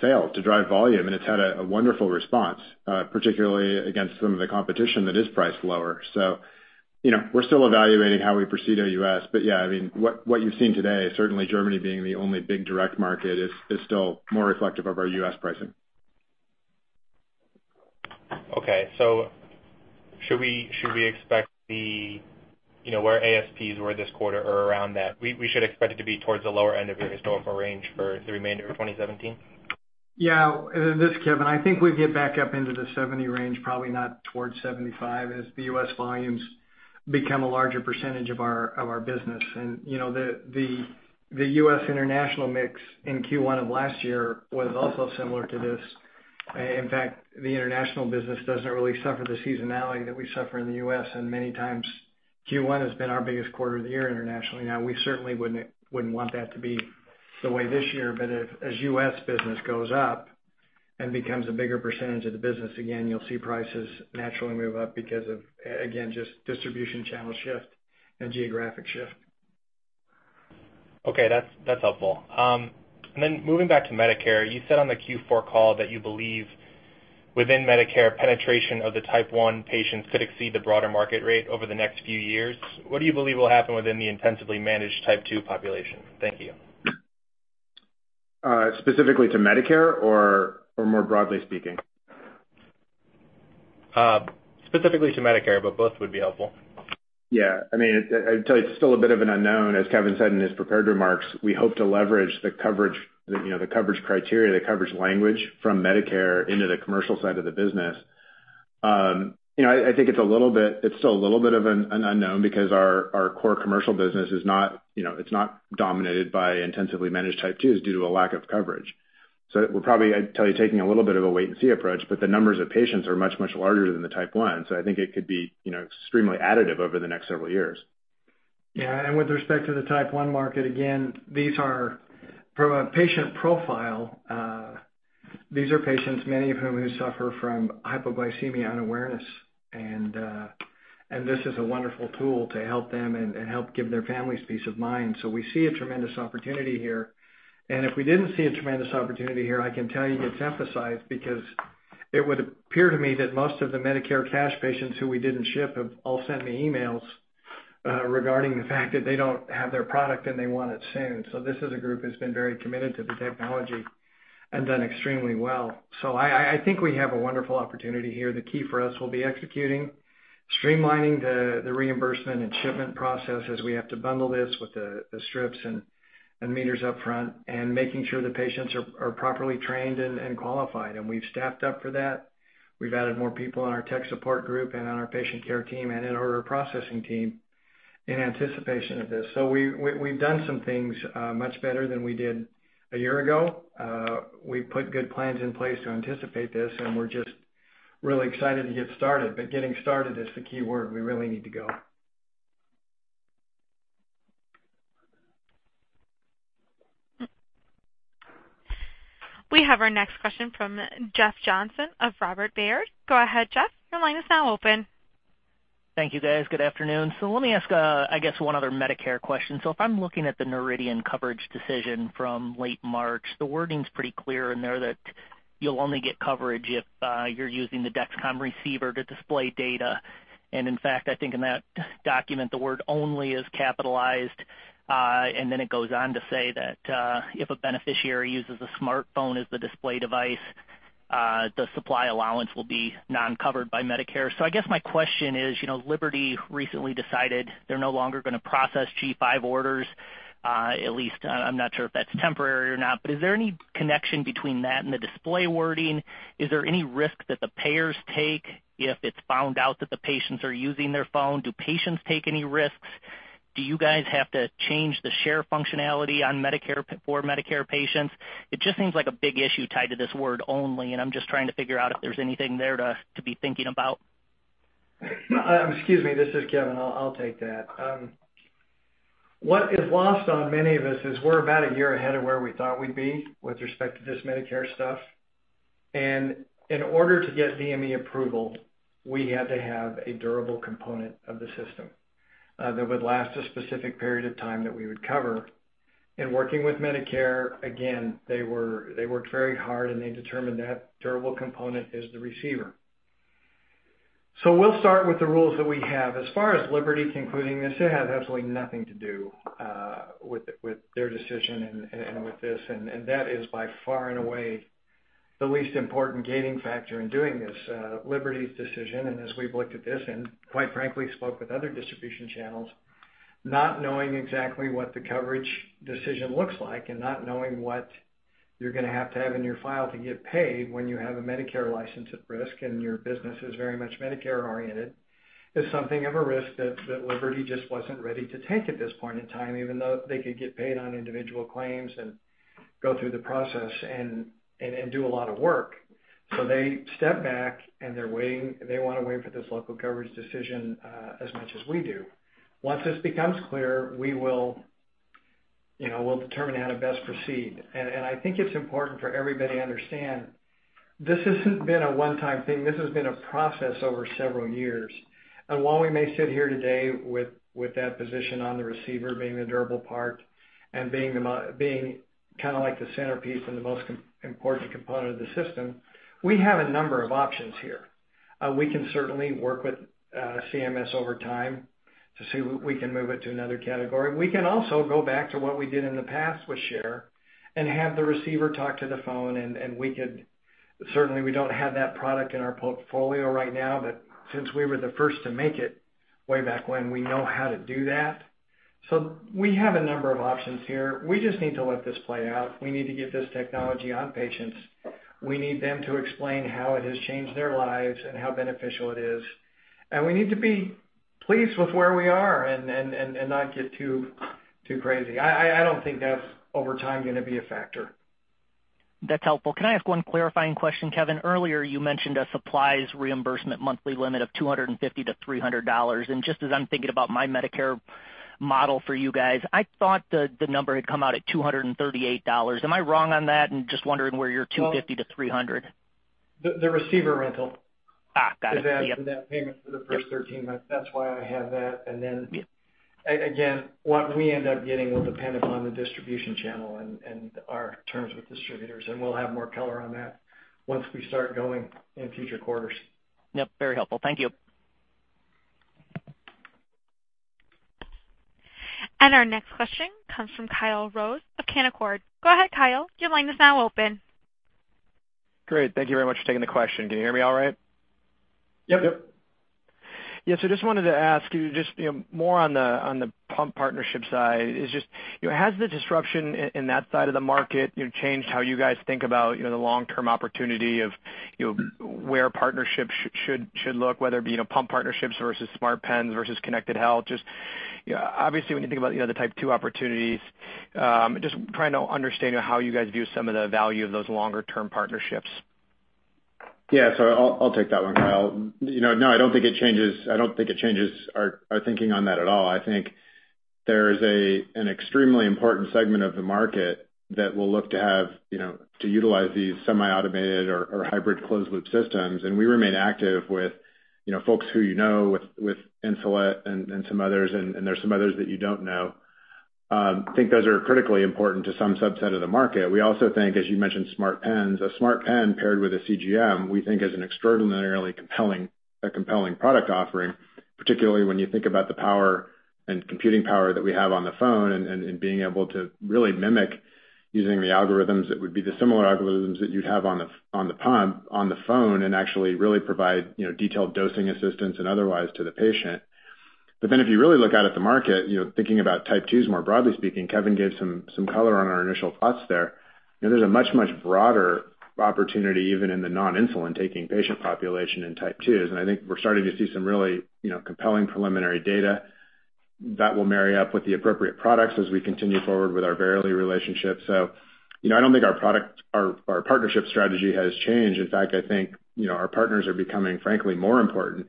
sales, to drive volume, and it's had a wonderful response, particularly against some of the competition that is priced lower. You know, we're still evaluating how we proceed OUS. Yeah, I mean, what you've seen today, certainly Germany being the only big direct market is still more reflective of our U.S. pricing. Okay. Should we expect the, you know, where ASPs were this quarter or around that? We should expect it to be towards the lower end of your historical range for the remainder of 2017? Yeah. This is Kevin. I think we get back up into the 70 range, probably not towards 75 as the U.S. volumes become a larger percentage of our business. You know, the U.S. international mix in Q1 of last year was also similar to this. In fact, the international business doesn't really suffer the seasonality that we suffer in the U.S., and many times Q1 has been our biggest quarter of the year internationally. Now we certainly wouldn't want that to be the way this year. If as U.S. business goes up and becomes a bigger percentage of the business, again, you'll see prices naturally move up because of again, just distribution channel shift and geographic shift. Okay. That's helpful. Moving back to Medicare, you said on the Q4 call that you believe within Medicare, penetration of the type 1 patients could exceed the broader market rate over the next few years. What do you believe will happen within the intensively managed type 2 population? Thank you. Specifically to Medicare or more broadly speaking? Specifically to Medicare, but both would be helpful. Yeah. I mean, I'd tell you it's still a bit of an unknown. As Kevin said in his prepared remarks, we hope to leverage the coverage, you know, the coverage criteria, the coverage language from Medicare into the commercial side of the business. You know, I think it's still a little bit of an unknown because our core commercial business is not, you know, it's not dominated by intensively managed type 2s due to a lack of coverage. So we're probably, I'd tell you, taking a little bit of a wait and see approach, but the numbers of patients are much larger than the type 1. So I think it could be, you know, extremely additive over the next several years. Yeah. With respect to the type 1 market, again, these are from a patient profile. These are patients many of whom who suffer from hypoglycemia unawareness, and this is a wonderful tool to help them and help give their families peace of mind. We see a tremendous opportunity here. If we didn't see a tremendous opportunity here, I can tell you it's emphasized because it would appear to me that most of the Medicare cash patients who we didn't ship have all sent me emails regarding the fact that they don't have their product and they want it soon. This is a group who's been very committed to the technology and done extremely well. I think we have a wonderful opportunity here. The key for us will be executing, streamlining the reimbursement and shipment process as we have to bundle this with the strips and meters up front, and making sure the patients are properly trained and qualified. We've staffed up for that. We've added more people on our tech support group and on our patient care team and in our order processing team in anticipation of this. We've done some things much better than we did a year ago. We put good plans in place to anticipate this, and we're just really excited to get started, but getting started is the key word we really need to go. We have our next question from Jeff Johnson of Robert W. Baird. Go ahead, Jeff. Your line is now open. Thank you, guys. Good afternoon. Let me ask, I guess one other Medicare question. If I'm looking at the Noridian coverage decision from late March, the wording's pretty clear in there that you'll only get coverage if you're using the Dexcom receiver to display data. And in fact, I think in that document, the word only is capitalized. And then it goes on to say that if a beneficiary uses a smartphone as the display device, the supply allowance will be non-covered by Medicare. I guess my question is, you know, Liberty recently decided they're no longer gonna process G5 orders, at least I'm not sure if that's temporary or not. Is there any connection between that and the display wording? Is there any risk that the payers take if it's found out that the patients are using their phone? Do patients take any risks? Do you guys have to change the share functionality on Medicare, for Medicare patients? It just seems like a big issue tied to this word only, and I'm just trying to figure out if there's anything there to be thinking about. Excuse me. This is Kevin. I'll take that. What is lost on many of us is we're about a year ahead of where we thought we'd be with respect to this Medicare stuff. In order to get DME approval, we had to have a durable component of the system that would last a specific period of time that we would cover. In working with Medicare, again, they worked very hard, and they determined that durable component is the receiver. We'll start with the rules that we have. As far as Liberty concluding this, it has absolutely nothing to do with their decision and with this. That is by far and away the least important gating factor in doing this, Liberty's decision. As we've looked at this and quite frankly spoke with other distribution channels, not knowing exactly what the coverage decision looks like and not knowing what you're gonna have to have in your file to get paid when you have a Medicare license at risk and your business is very much Medicare oriented, is something of a risk that Liberty Medical just wasn't ready to take at this point in time, even though they could get paid on individual claims and go through the process and do a lot of work. They stepped back and they're waiting. They wanna wait for this local coverage decision, as much as we do. Once this becomes clear, we will, you know, we'll determine how to best proceed. I think it's important for everybody to understand this hasn't been a one-time thing. This has been a process over several years. While we may sit here today with that position on the receiver being the durable part and being kind of like the centerpiece and the most important component of the system, we have a number of options here. We can certainly work with CMS over time to see if we can move it to another category. We can also go back to what we did in the past with Share and have the receiver talk to the phone. Certainly, we don't have that product in our portfolio right now, but since we were the first to make it way back when, we know how to do that. We have a number of options here. We just need to let this play out. We need to get this technology on patients. We need them to explain how it has changed their lives and how beneficial it is. We need to be pleased with where we are and not get too crazy. I don't think that's over time gonna be a factor. That's helpful. Can I ask one clarifying question, Kevin? Earlier you mentioned a supplies reimbursement monthly limit of $250-$300. Just as I'm thinking about my Medicare model for you guys, I thought the number had come out at $238. Am I wrong on that? Just wondering where your $250-$300. The receiver rental- Got it. Yep -is added to that payment for the first 13 months. That's why I have that. Then Yeah Again, what we end up getting will depend upon the distribution channel and our terms with distributors, and we'll have more color on that once we start going in future quarters. Yep. Very helpful. Thank you. Our next question comes from Kyle Rose of Canaccord Genuity. Go ahead, Kyle. Your line is now open. Great. Thank you very much for taking the question. Can you hear me all right? Yep. Yep. Yeah. Just wanted to ask you just, you know, more on the pump partnership side. It's just, you know, has the disruption in that side of the market, you know, changed how you guys think about, you know, the long-term opportunity of, you know, where partnerships should look, whether it be, you know, pump partnerships versus smart pens versus connected health? Just, you know, obviously, when you think about, you know, the type 2 opportunities, just trying to understand how you guys view some of the value of those longer term partnerships. I'll take that one, Kyle. You know, no, I don't think it changes our thinking on that at all. I think there is an extremely important segment of the market that will look to have, you know, to utilize these semi-automated or hybrid closed loop systems. We remain active with, you know, folks who you know with Insulet and some others that you don't know. I think those are critically important to some subset of the market. We also think, as you mentioned, smart pens. A smart pen paired with a CGM, we think is an extraordinarily compelling product offering, particularly when you think about the power and computing power that we have on the phone and being able to really mimic using the algorithms that would be the similar algorithms that you'd have on the pump on the phone, and actually really provide, you know, detailed dosing assistance and otherwise to the patient. If you really look out at the market, you know, thinking about type 2s more broadly speaking, Kevin gave some color on our initial thoughts there. You know, there's a much broader opportunity even in the non-insulin taking patient population in type 2s. I think we're starting to see some really, you know, compelling preliminary data that will marry up with the appropriate products as we continue forward with our Verily relationship. So, you know, I don't think our partnership strategy has changed. In fact, I think, you know, our partners are becoming, frankly, more important,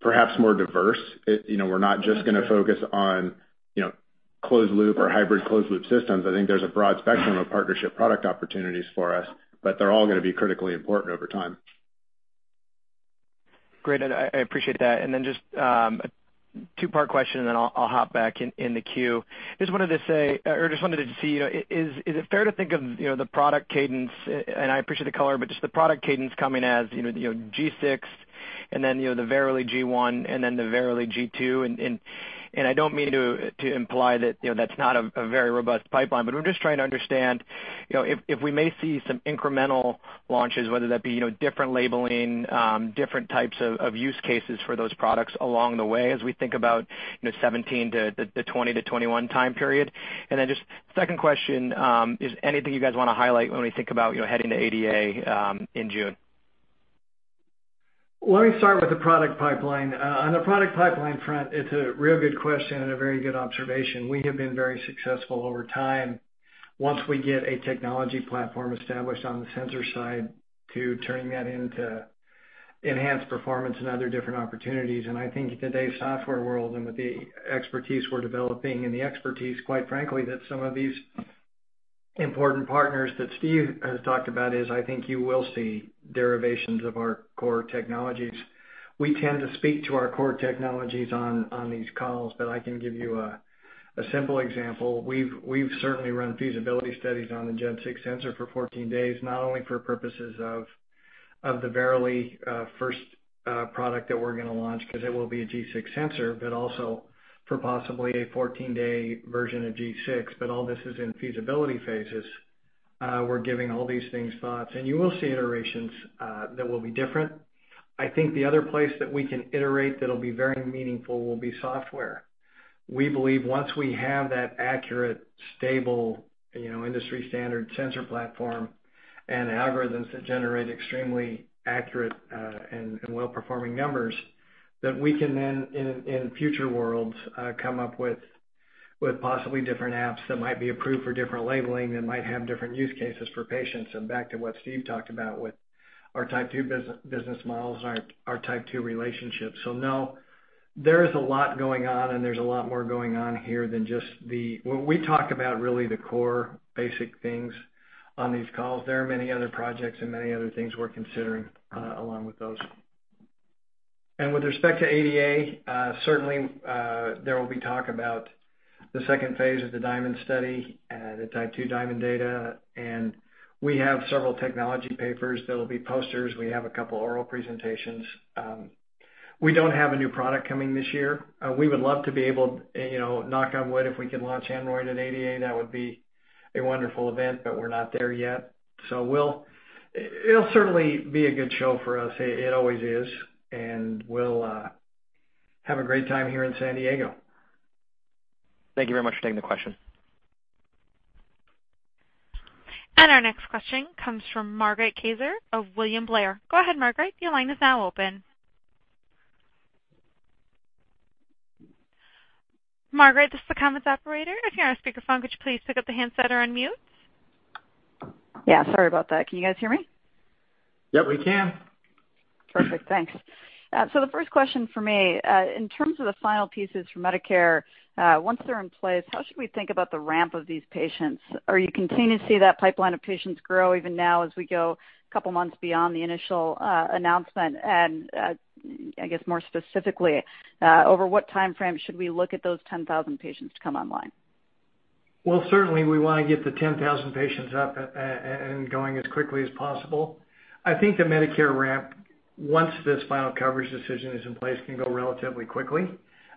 perhaps more diverse. It, you know, we're not just gonna focus on, you know, closed loop or hybrid closed loop systems, I think there's a broad spectrum of partnership product opportunities for us, but they're all gonna be critically important over time. Great. I appreciate that. Just a two-part question, and then I'll hop back in the queue. Just wanted to say, or just wanted to see, is it fair to think of, you know, the product cadence, and I appreciate the color, but just the product cadence coming as, you know, G6, and then, you know, the Verily G1 and then the Verily G2. I don't mean to imply that, you know, that's not a very robust pipeline, but I'm just trying to understand, you know, if we may see some incremental launches, whether that be, you know, different labeling, different types of use cases for those products along the way as we think about, you know, 2017 to the 2020 to 2021 time period. Just second question, is anything you guys wanna highlight when we think about, you know, heading to ADA in June? Let me start with the product pipeline. On the product pipeline front, it's a real good question and a very good observation. We have been very successful over time once we get a technology platform established on the sensor side to turning that into enhanced performance and other different opportunities. I think in today's software world and with the expertise we're developing and the expertise, quite frankly, that some of these important partners that Steve has talked about is I think you will see derivations of our core technologies. We tend to speak to our core technologies on these calls, but I can give you a simple example. We've certainly run feasibility studies on the G6 sensor for 14 days, not only for purposes of the Verily first product that we're gonna launch because it will be a G6 sensor, but also for possibly a 14-day version of G6, but all this is in feasibility phases. We're giving all these things thoughts, and you will see iterations that will be different. I think the other place that we can iterate that'll be very meaningful will be software. We believe once we have that accurate, stable, you know, industry standard sensor platform and algorithms that generate extremely accurate, and well-performing numbers, that we can then in future worlds, come up with possibly different apps that might be approved for different labeling and might have different use cases for patients and back to what Steve talked about with our Type 2 business models and our Type 2 relationships. No, there is a lot going on, and there's a lot more going on here than just. When we talk about really the core basic things on these calls, there are many other projects and many other things we're considering along with those. With respect to ADA, certainly, there will be talk about the second phase of the DIaMonD study, the Type 2 DIaMonD data. We have several technology papers that'll be posters. We have a couple oral presentations. We don't have a new product coming this year. We would love to be able, you know, knock on wood, if we can launch Android at ADA, that would be a wonderful event, but we're not there yet. It'll certainly be a good show for us. It always is, and we'll have a great time here in San Diego. Thank you very much for taking the question. Our next question comes from Margaret Kaczor of William Blair. Go ahead, Margaret. The line is now open. Margaret, this is the conference operator. If you're on a speakerphone, could you please pick up the handset or unmute? Yeah. Sorry about that. Can you guys hear me? Yep, we can. Perfect. Thanks. The first question for me, in terms of the final pieces for Medicare, once they're in place, how should we think about the ramp of these patients? Are you continuing to see that pipeline of patients grow even now as we go couple months beyond the initial, announcement? I guess more specifically, over what timeframe should we look at those 10,000 patients to come online? Well, certainly we wanna get the 10,000 patients up and going as quickly as possible. I think the Medicare ramp, once this final coverage decision is in place, can go relatively quickly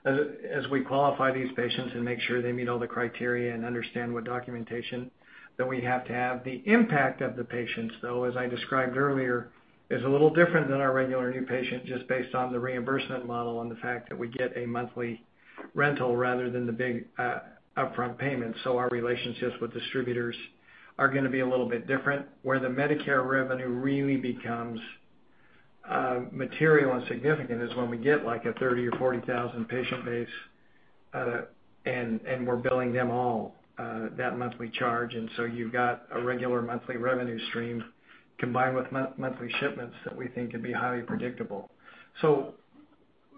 as we qualify these patients and make sure they meet all the criteria and understand what documentation that we have to have. The impact of the patients, though, as I described earlier, is a little different than our regular new patient just based on the reimbursement model and the fact that we get a monthly rental rather than the big, upfront payment. Our relationships with distributors are gonna be a little bit different. Where the Medicare revenue really becomes material and significant is when we get, like, a 30,000 or 40,000 patient base, and we're billing them all that monthly charge. You've got a regular monthly revenue stream combined with monthly shipments that we think can be highly predictable.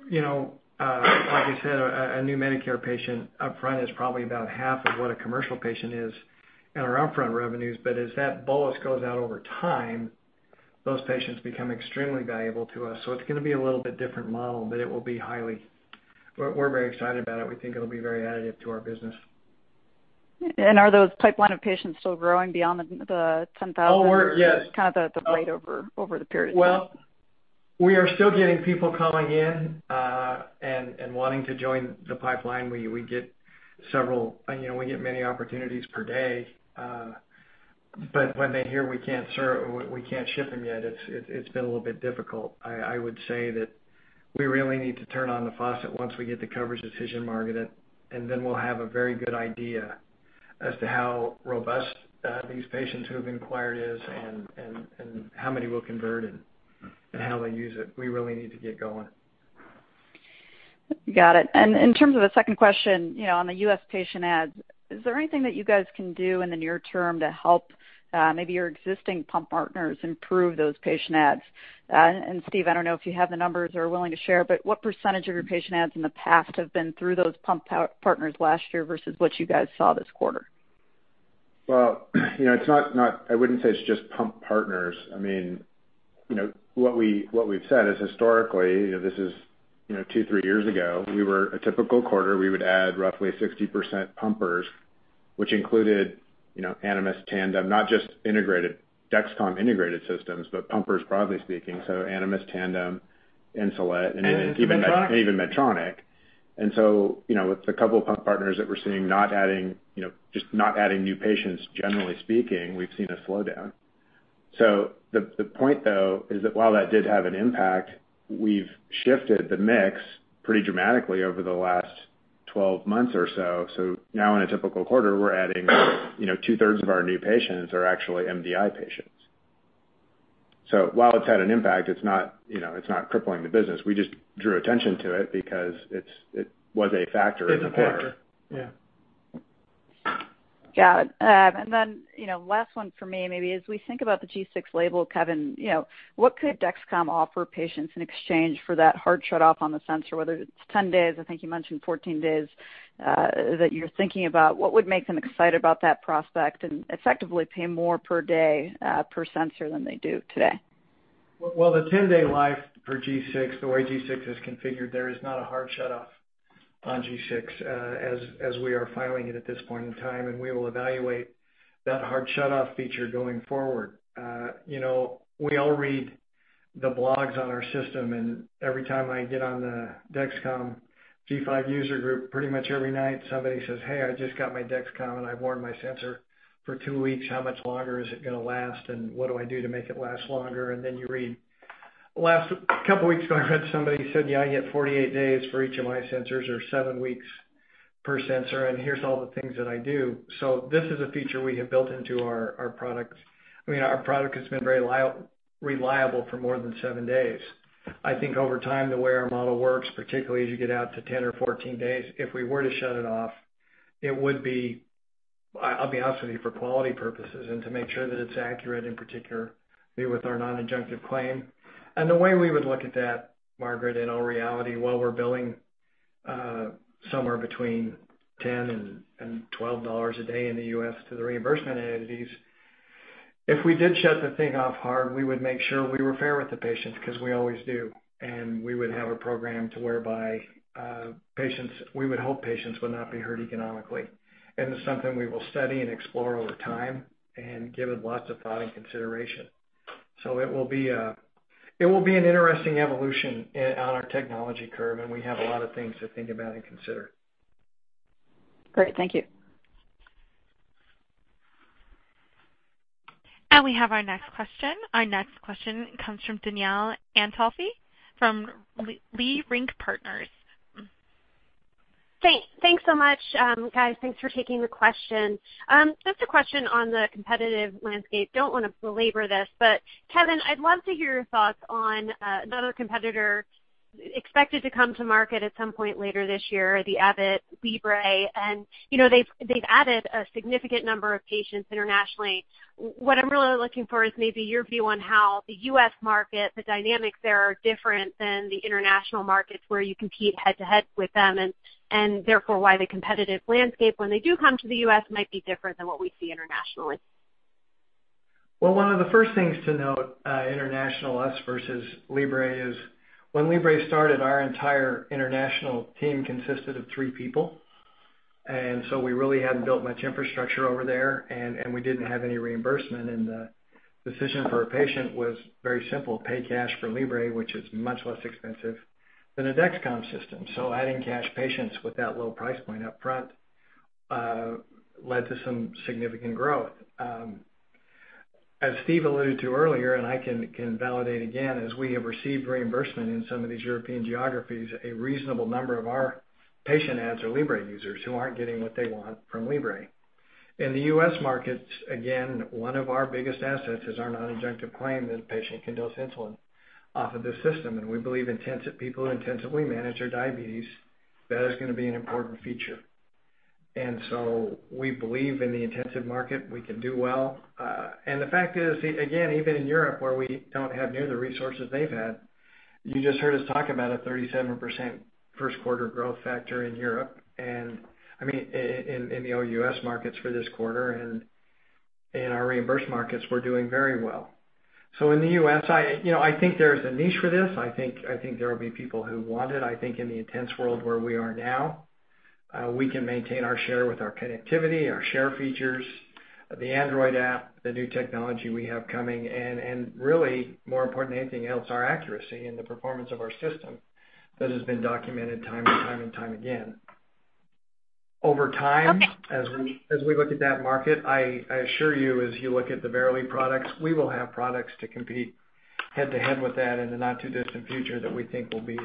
You know, like I said, a new Medicare patient upfront is probably about half of what a commercial patient is in our upfront revenues. As that bolus goes out over time, those patients become extremely valuable to us. It's gonna be a little bit different model, but it will be highly. We're very excited about it. We think it'll be very additive to our business. Are those pipeline of patients still growing beyond the 10,000 kind of the blend over the period? Well, we are still getting people coming in and wanting to join the pipeline. We get several, you know, many opportunities per day. When they hear we can't ship them yet, it's been a little bit difficult. I would say that we really need to turn on the faucet once we get the coverage decision, Margaret, and then we'll have a very good idea as to how robust these patients who have inquired is and how many will convert and how they use it. We really need to get going. Got it. In terms of the second question, you know, on the U.S. patient adds, is there anything that you guys can do in the near term to help, maybe your existing pump partners improve those patient adds? And Steve, I don't know if you have the numbers or are willing to share, but what percentage of your patient adds in the past have been through those pump partners last year versus what you guys saw this quarter? Well, you know, it's not. I wouldn't say it's just pump partners. I mean, you know, what we've said is historically, you know, two to three years ago, we were a typical quarter. We would add roughly 60% pumpers, which included, you know, Animas, Tandem, not just integrated Dexcom integrated systems, but pumpers broadly speaking, so Animas, Tandem, Insulet, and even Medtronic. Even Medtronic. You know, with a couple of pump partners that we're seeing not adding, you know, just not adding new patients, generally speaking, we've seen a slowdown. The point, though, is that while that did have an impact, we've shifted the mix pretty dramatically over the last 12 months or so. Now in a typical quarter, we're adding, you know, two-thirds of our new patients are actually MDI patients. While it's had an impact, it's not, you know, it's not crippling the business. We just drew attention to it because it was a factor in the quarter. It's a factor. Yeah. Got it. You know, last one for me, maybe as we think about the G6 label, Kevin, you know, what could Dexcom offer patients in exchange for that hard shutoff on the sensor, whether it's 10 days, I think you mentioned 14 days, that you're thinking about, what would make them excited about that prospect and effectively pay more per day, per sensor than they do today? Well, the 10-day life for G6, the way G6 is configured, there is not a hard shutoff on G6, as we are filing it at this point in time, and we will evaluate that hard shutoff feature going forward. You know, we all read the blogs on our system, and every time I get on the Dexcom G5 user group, pretty much every night, somebody says, "Hey, I just got my Dexcom, and I've worn my sensor for two weeks. How much longer is it gonna last, and what do I do to make it last longer?" Then you read. A couple weeks ago, I read somebody who said, "Yeah, I get 48 days for each of my sensors or seven weeks per sensor, and here's all the things that I do." This is a feature we have built into our products. I mean, our product has been very reliable for more than seven days. I think over time, the way our model works, particularly as you get out to 10 or 14 days, if we were to shut it off, it would be, I'll be honest with you, for quality purposes and to make sure that it's accurate, in particular, with our non-adjunctive claim. The way we would look at that, Margaret, in all reality, while we're billing somewhere between $10 and $12 a day in the U.S. to the reimbursement entities, if we did shut the thing off hard, we would make sure we were fair with the patients because we always do. We would have a program whereby patients we would hope patients would not be hurt economically. It's something we will study and explore over time and give it lots of thought and consideration. It will be an interesting evolution on our technology curve, and we have a lot of things to think about and consider. Great. Thank you. We have our next question. Our next question comes from Danielle Antalffy from Leerink Partners. Thanks so much, guys. Thanks for taking the question. Just a question on the competitive landscape. Don't wanna belabor this, but Kevin, I'd love to hear your thoughts on another competitor expected to come to market at some point later this year, the Abbott Libre. They've added a significant number of patients internationally. What I'm really looking for is maybe your view on how the U.S. market, the dynamics there are different than the international markets, where you compete head to head with them, and therefore, why the competitive landscape when they do come to the U.S. might be different than what we see internationally. Well, one of the first things to note, international, U.S. versus Libre, is when Libre started, our entire international team consisted of three people. We really hadn't built much infrastructure over there, and we didn't have any reimbursement. The decision for a patient was very simple, pay cash for Libre, which is much less expensive than a Dexcom system. Adding cash patients with that low price point up front led to some significant growth. As Steve alluded to earlier, and I can validate again, as we have received reimbursement in some of these European geographies, a reasonable number of our patient adds are Libre users who aren't getting what they want from Libre. In the U.S. markets, again, one of our biggest assets is our non-adjunctive claim that a patient can dose insulin off of this system. We believe intensive people who intensively manage their diabetes, that is gonna be an important feature. We believe in the intensive market, we can do well. The fact is, again, even in Europe, where we don't have near the resources they've had, you just heard us talk about a 37% first quarter growth factor in Europe, and I mean, in the OUS markets for this quarter and in our reimbursed markets, we're doing very well. In the U.S., you know, I think there's a niche for this. I think there will be people who want it. I think in the intense world where we are now, we can maintain our share with our connectivity, our share features, the Android app, the new technology we have coming, and really more important than anything else, our accuracy and the performance of our system that has been documented time and time again. Over time. Okay. As we look at that market, I assure you, as you look at the Verily products, we will have products to compete head to head with that in the not too distant future that we think will be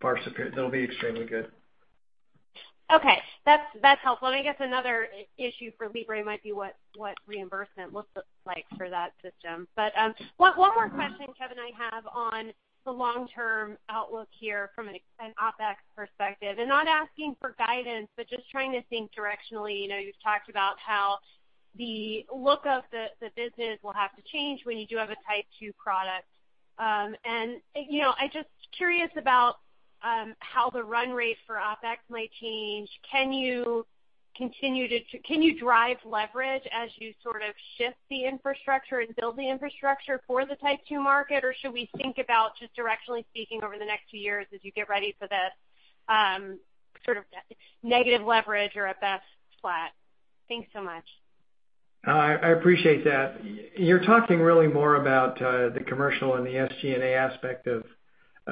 far superior. They'll be extremely good. Okay. That's helpful. I guess another issue for Libre might be what reimbursement looks like for that system. One more question, Kevin, I have on the long-term outlook here from an OpEx perspective, and not asking for guidance, but just trying to think directionally. You know, you've talked about how the look of the business will have to change when you do have a type 2 product. You know, I'm just curious about how the run rate for OpEx might change. Can you drive leverage as you sort of shift the infrastructure and build the infrastructure for the type 2 market? Or should we think about just directionally speaking over the next few years as you get ready for the sort of negative leverage or at best flat? Thanks so much. I appreciate that. You're talking really more about the commercial and the SG&A aspect of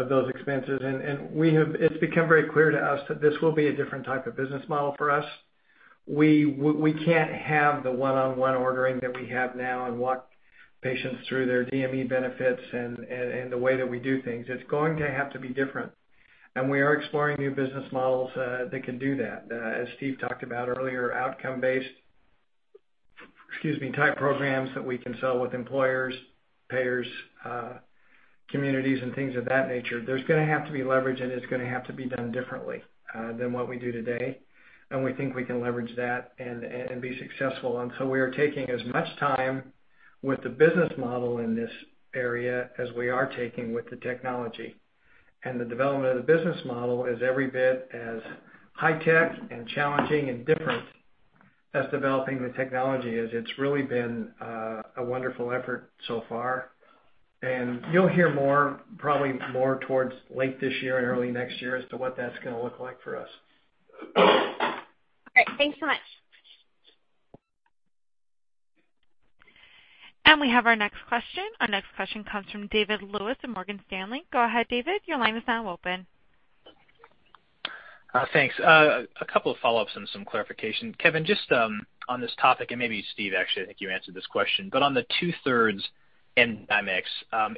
those expenses. It's become very clear to us that this will be a different type of business model for us. We can't have the one-on-one ordering that we have now and walk patients through their DME benefits and the way that we do things. It's going to have to be different. We are exploring new business models that can do that. As Steve talked about earlier, outcome-based, excuse me, type programs that we can sell with employers, payers, communities and things of that nature. There's gonna have to be leverage, and it's gonna have to be done differently than what we do today. We think we can leverage that and be successful. We are taking as much time with the business model in this area as we are taking with the technology. The development of the business model is every bit as high tech and challenging and different as developing the technology is. It's really been a wonderful effort so far. You'll hear more, probably more towards late this year and early next year as to what that's gonna look like for us. All right. Thanks so much. We have our next question. Our next question comes from David Lewis in Morgan Stanley. Go ahead, David. Your line is now open. Thanks. A couple of follow-ups and some clarification. Kevin, just on this topic, and maybe Steve, actually, I think you answered this question, but on the two-thirds MDI mix,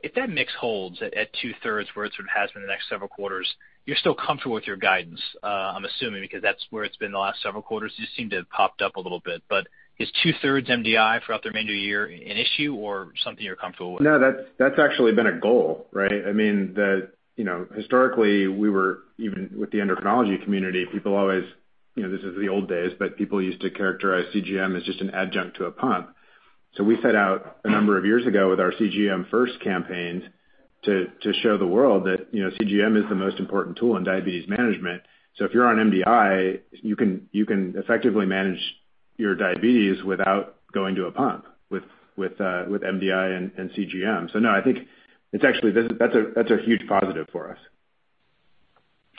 if that mix holds at two-thirds where it sort of has been the next several quarters, you're still comfortable with your guidance, I'm assuming, because that's where it's been the last several quarters. You seem to have popped up a little bit, but is two-thirds MDI throughout the remainder of the year an issue or something you're comfortable with? No, that's actually been a goal, right? I mean, you know, historically, we were even with the endocrinology community. People always, you know, this is the old days, but people used to characterize CGM as just an adjunct to a pump. We set out a number of years ago with our CGM first campaigns to show the world that, you know, CGM is the most important tool in diabetes management. If you're on MDI, you can effectively manage your diabetes without going to a pump with MDI and CGM. No, I think it's actually, that's a huge positive for us.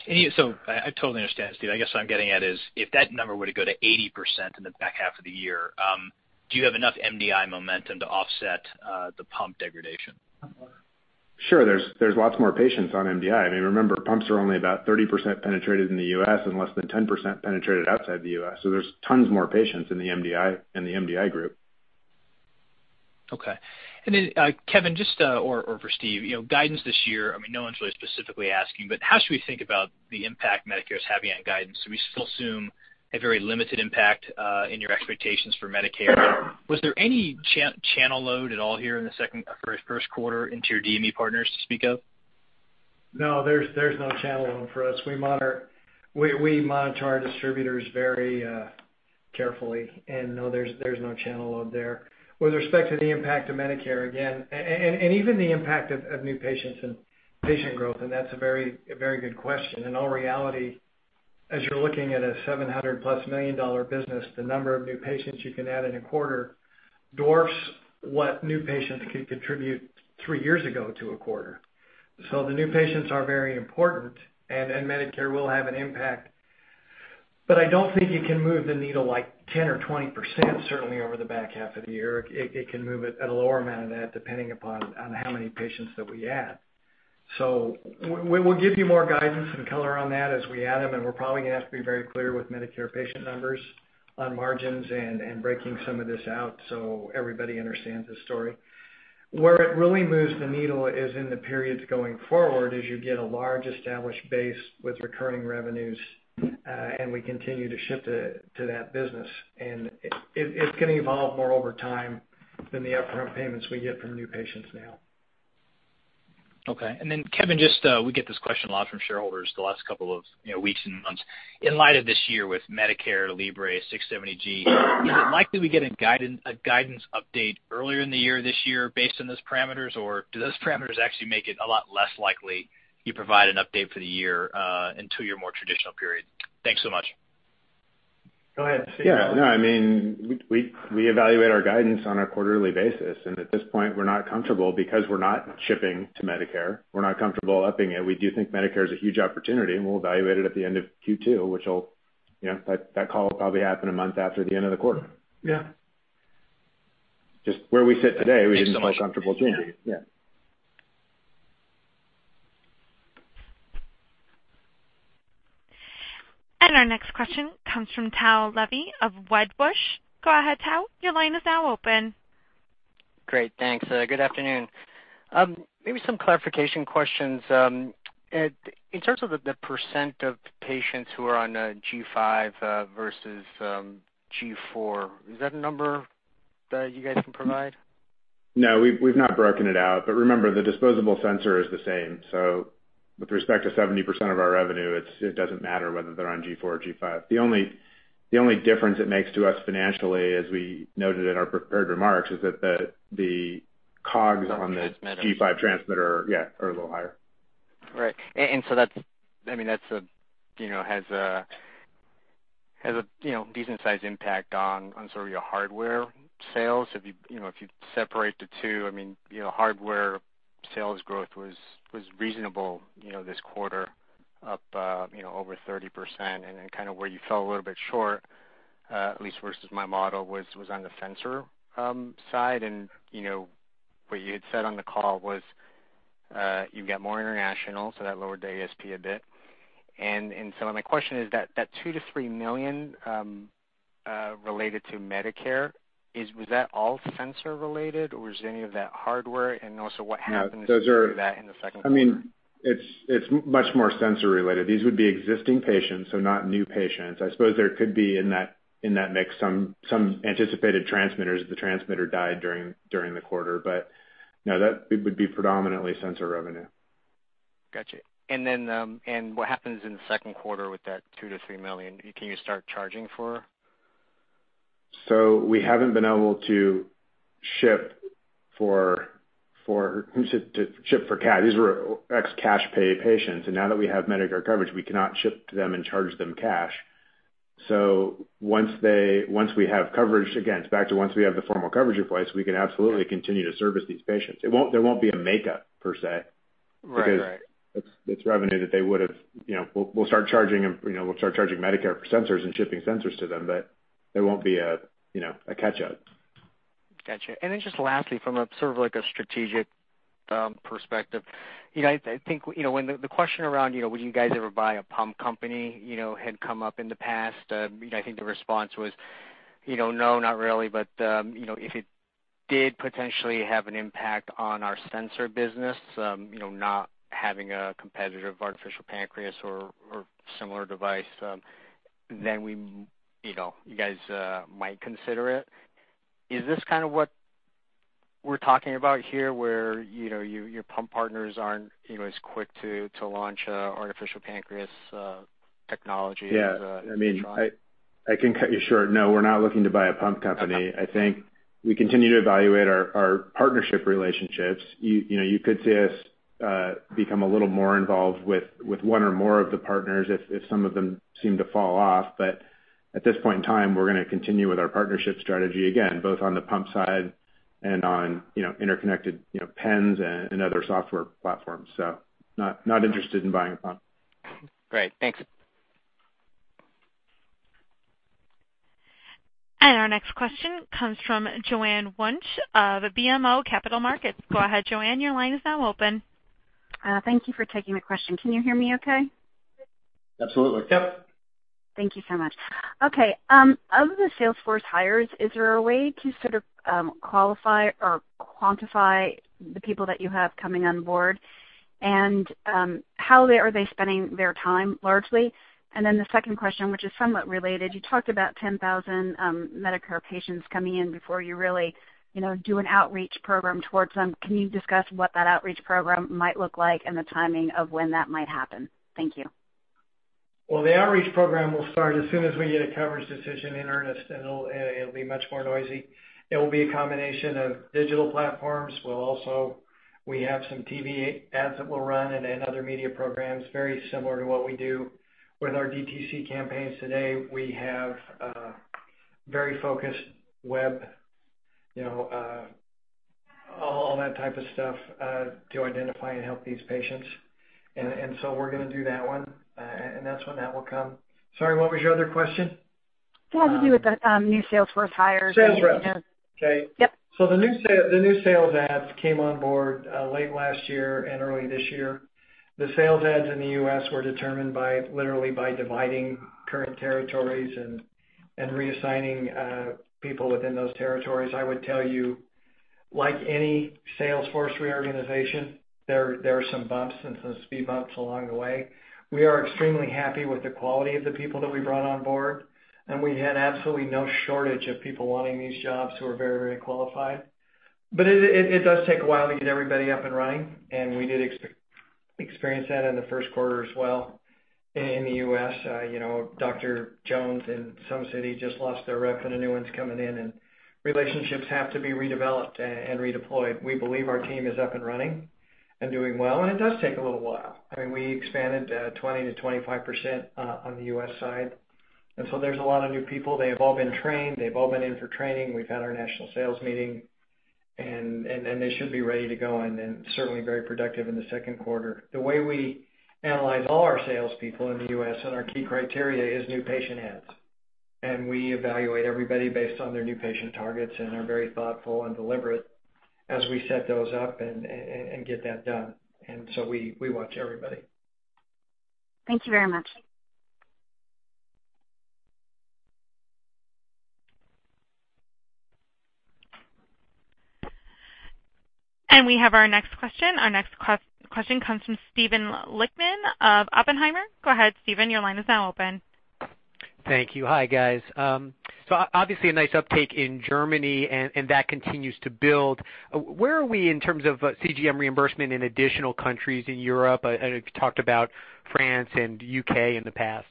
I totally understand, Steve. I guess what I'm getting at is if that number were to go to 80% in the back half of the year, do you have enough MDI momentum to offset the pump degradation? Sure. There's lots more patients on MDI. I mean, remember, pumps are only about 30% penetrated in the US and less than 10% penetrated outside the US. There's tons more patients in the MDI group. Okay. Kevin, just, or for Steve, you know, guidance this year, I mean, no one's really specifically asking, but how should we think about the impact Medicare is having on guidance? Do we still assume a very limited impact, in your expectations for Medicare? Was there any channel load at all here in the second or first quarter into your DME partners to speak of? No, there's no channel load for us. We monitor our distributors very carefully, and no, there's no channel load there. With respect to the impact of Medicare, again, and even the impact of new patients and patient growth, and that's a very good question. In all reality, as you're looking at a $700+ million-dollar business, the number of new patients you can add in a quarter dwarfs what new patients could contribute three years ago to a quarter. The new patients are very important and Medicare will have an impact. I don't think it can move the needle like 10% or 20%, certainly over the back half of the year. It can move it at a lower amount of that depending upon how many patients that we add. We will give you more guidance and color on that as we add them, and we're probably gonna have to be very clear with Medicare patient numbers on margins and breaking some of this out so everybody understands the story. Where it really moves the needle is in the periods going forward as you get a large established base with recurring revenues, and we continue to shift it to that business. It's gonna evolve more over time than the upfront payments we get from new patients now. Okay. Kevin, just, we get this question a lot from shareholders the last couple of, you know, weeks and months. In light of this year with Medicare, Libre, 670G, is it likely we get a guidance update earlier in the year this year based on those parameters? Or do those parameters actually make it a lot less likely you provide an update for the year, until your more traditional period? Thanks so much. Go ahead, Steve. Yeah. No, I mean, we evaluate our guidance on a quarterly basis, and at this point, we're not comfortable because we're not shipping to Medicare. We're not comfortable upping it. We do think Medicare is a huge opportunity, and we'll evaluate it at the end of Q2, which will, you know, that call will probably happen a month after the end of the quarter. Yeah. Just where we sit today, we didn't feel comfortable changing. Yeah. Our next question comes from Tao Levy of Wedbush. Go ahead, Tao. Your line is now open. Great. Thanks. Good afternoon. Maybe some clarification questions. Ed, in terms of the percent of patients who are on G5 versus G4, is that a number that you guys can provide? No, we've not broken it out. Remember, the disposable sensor is the same. With respect to 70% of our revenue, it's. It doesn't matter whether they're on G4 or G5. The only difference it makes to us financially, as we noted in our prepared remarks, is that the COGS on the G5 transmitter, yeah, are a little higher. Right. And so that's, I mean, has a decent sized impact on sort of your hardware sales. If you you know if you separate the two, I mean, you know, hardware sales growth was reasonable, you know, this quarter up over 30%. Then kind of where you fell a little bit short at least versus my model was on the sensor side. What you had said on the call was you've got more international, so that lowered the ASP a bit. My question is that $2 to $3 million related to Medicare was that all sensor related, or was any of that hardware? Also what happens to that in the second quarter? I mean, it's much more sensor related. These would be existing patients, so not new patients. I suppose there could be in that mix some anticipated transmitters. The transmitter died during the quarter. No, that it would be predominantly sensor revenue. Got you. What happens in the second quarter with that $2 to $3 million? Can you start charging for? We haven't been able to ship for cash. These were ex cash pay patients, and now that we have Medicare coverage, we cannot ship to them and charge them cash. Once we have coverage, again, it's back to once we have the formal coverage in place, we can absolutely continue to service these patients. There won't be a makeup per se. Right. Because it's revenue that they would have, you know, we'll start charging them, you know, we'll start charging Medicare for sensors and shipping sensors to them, but there won't be a, you know, a catch up. Got you. Just lastly, from a sort of like a strategic perspective, you know, I think, you know, when the question around, you know, would you guys ever buy a pump company, you know, had come up in the past. You know, I think the response was, you know, no, not really. You know, if it did potentially have an impact on our sensor business, you know, not having a competitive artificial pancreas or similar device, then you know, you guys might consider it. Is this kind of what we're talking about here, where, you know, your pump partners aren't, you know, as quick to launch artificial pancreas technology as Medtronic? Yeah. I mean, I can cut you short. No, we're not looking to buy a pump company. I think we continue to evaluate our partnership relationships. You know, you could see us become a little more involved with one or more of the partners if some of them seem to fall off. At this point in time, we're gonna continue with our partnership strategy again, both on the pump side and on interconnected pens and other software platforms. Not interested in buying a pump. Great. Thanks. Our next question comes from Joanne Wuensch of BMO Capital Markets. Go ahead, Joanne, your line is now open. Thank you for taking my question. Can you hear me okay? Absolutely. Yep. Thank you so much. Okay, of the sales force hires, is there a way to sort of qualify or quantify the people that you have coming on board, and how are they spending their time largely? Then the second question, which is somewhat related, you talked about 10,000 Medicare patients coming in before you really, you know, do an outreach program towards them. Can you discuss what that outreach program might look like and the timing of when that might happen? Thank you. Well, the outreach program will start as soon as we get a coverage decision in earnest, and it'll be much more noisy. It will be a combination of digital platforms. We'll also have some TV ads that will run and then other media programs very similar to what we do with our DTC campaigns today. We have very focused web, you know, all that type of stuff to identify and help these patients. So we're gonna do that one. And that's when that will come. Sorry, what was your other question? It had to do with the new sales force hires and... Sales reps. Okay. Yep. The new sales adds came on board late last year and early this year. The sales adds in the U.S. were determined by dividing current territories and reassigning people within those territories. I would tell you, like any sales force reorganization, there are some bumps and some speed bumps along the way. We are extremely happy with the quality of the people that we brought on board, and we had absolutely no shortage of people wanting these jobs who are very qualified. It does take a while to get everybody up and running, and we did experience that in the first quarter as well in the U.S. You know, Dr. Jones in some city just lost their rep and a new one's coming in and relationships have to be redeveloped and redeployed. We believe our team is up and running and doing well, and it does take a little while. I mean, we expanded 20% to 25% on the U.S. side. There's a lot of new people. They have all been trained. They've all been in for training. We've had our national sales meeting and they should be ready to go and certainly very productive in the second quarter. The way we analyze all our salespeople in the U.S. and our key criteria is new patient adds. We evaluate everybody based on their new patient targets and are very thoughtful and deliberate as we set those up and get that done. We watch everybody. Thank you very much. We have our next question. Our next question comes from Steven Lichtman of Oppenheimer. Go ahead, Steven. Your line is now open. Thank you. Hi, guys. Obviously a nice uptake in Germany and that continues to build. Where are we in terms of CGM reimbursement in additional countries in Europe? You talked about France and U.K. in the past.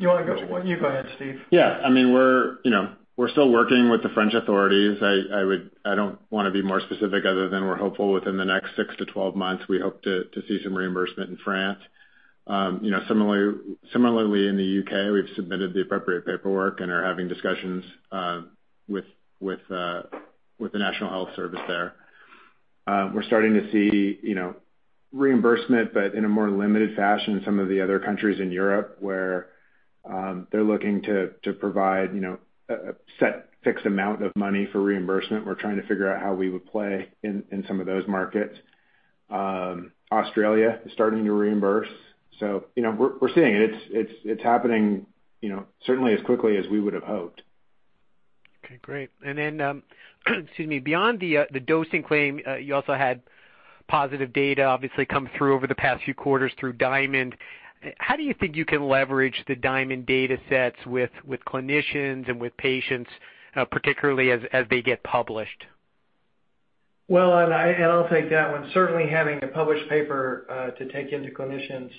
You wanna go? You go ahead, Steve. Yeah. I mean, we're, you know, we're still working with the French authorities. I don't wanna be more specific other than we're hopeful within the next 6 to 12 months, we hope to see some reimbursement in France. You know, similarly in the U.K., we've submitted the appropriate paperwork and are having discussions with the National Health Service there. We're starting to see, you know, reimbursement, but in a more limited fashion in some of the other countries in Europe where they're looking to provide, you know, a set fixed amount of money for reimbursement. We're trying to figure out how we would play in some of those markets. Australia is starting to reimburse. You know, we're seeing it. It's happening, you know, certainly as quickly as we would have hoped. Okay, great. Excuse me. Beyond the dosing claim, you also had positive data obviously come through over the past few quarters through DIaMonD. How do you think you can leverage the DIaMonD data sets with clinicians and with patients, particularly as they get published? I'll take that one. Certainly having a published paper to take into clinicians,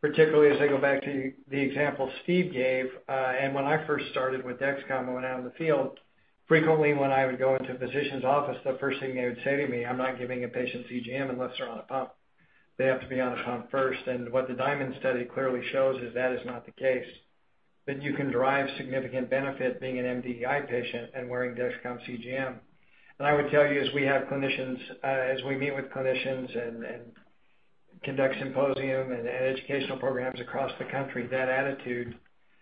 particularly as I go back to the example Steve gave, and when I first started with Dexcom, I went out in the field. Frequently, when I would go into a physician's office, the first thing they would say to me, "I'm not giving a patient CGM unless they're on a pump. They have to be on a pump first." What the DIaMonD study clearly shows is that is not the case, that you can derive significant benefit being an MDI patient and wearing Dexcom CGM. I would tell you, as we meet with clinicians and conduct symposium and educational programs across the country, that attitude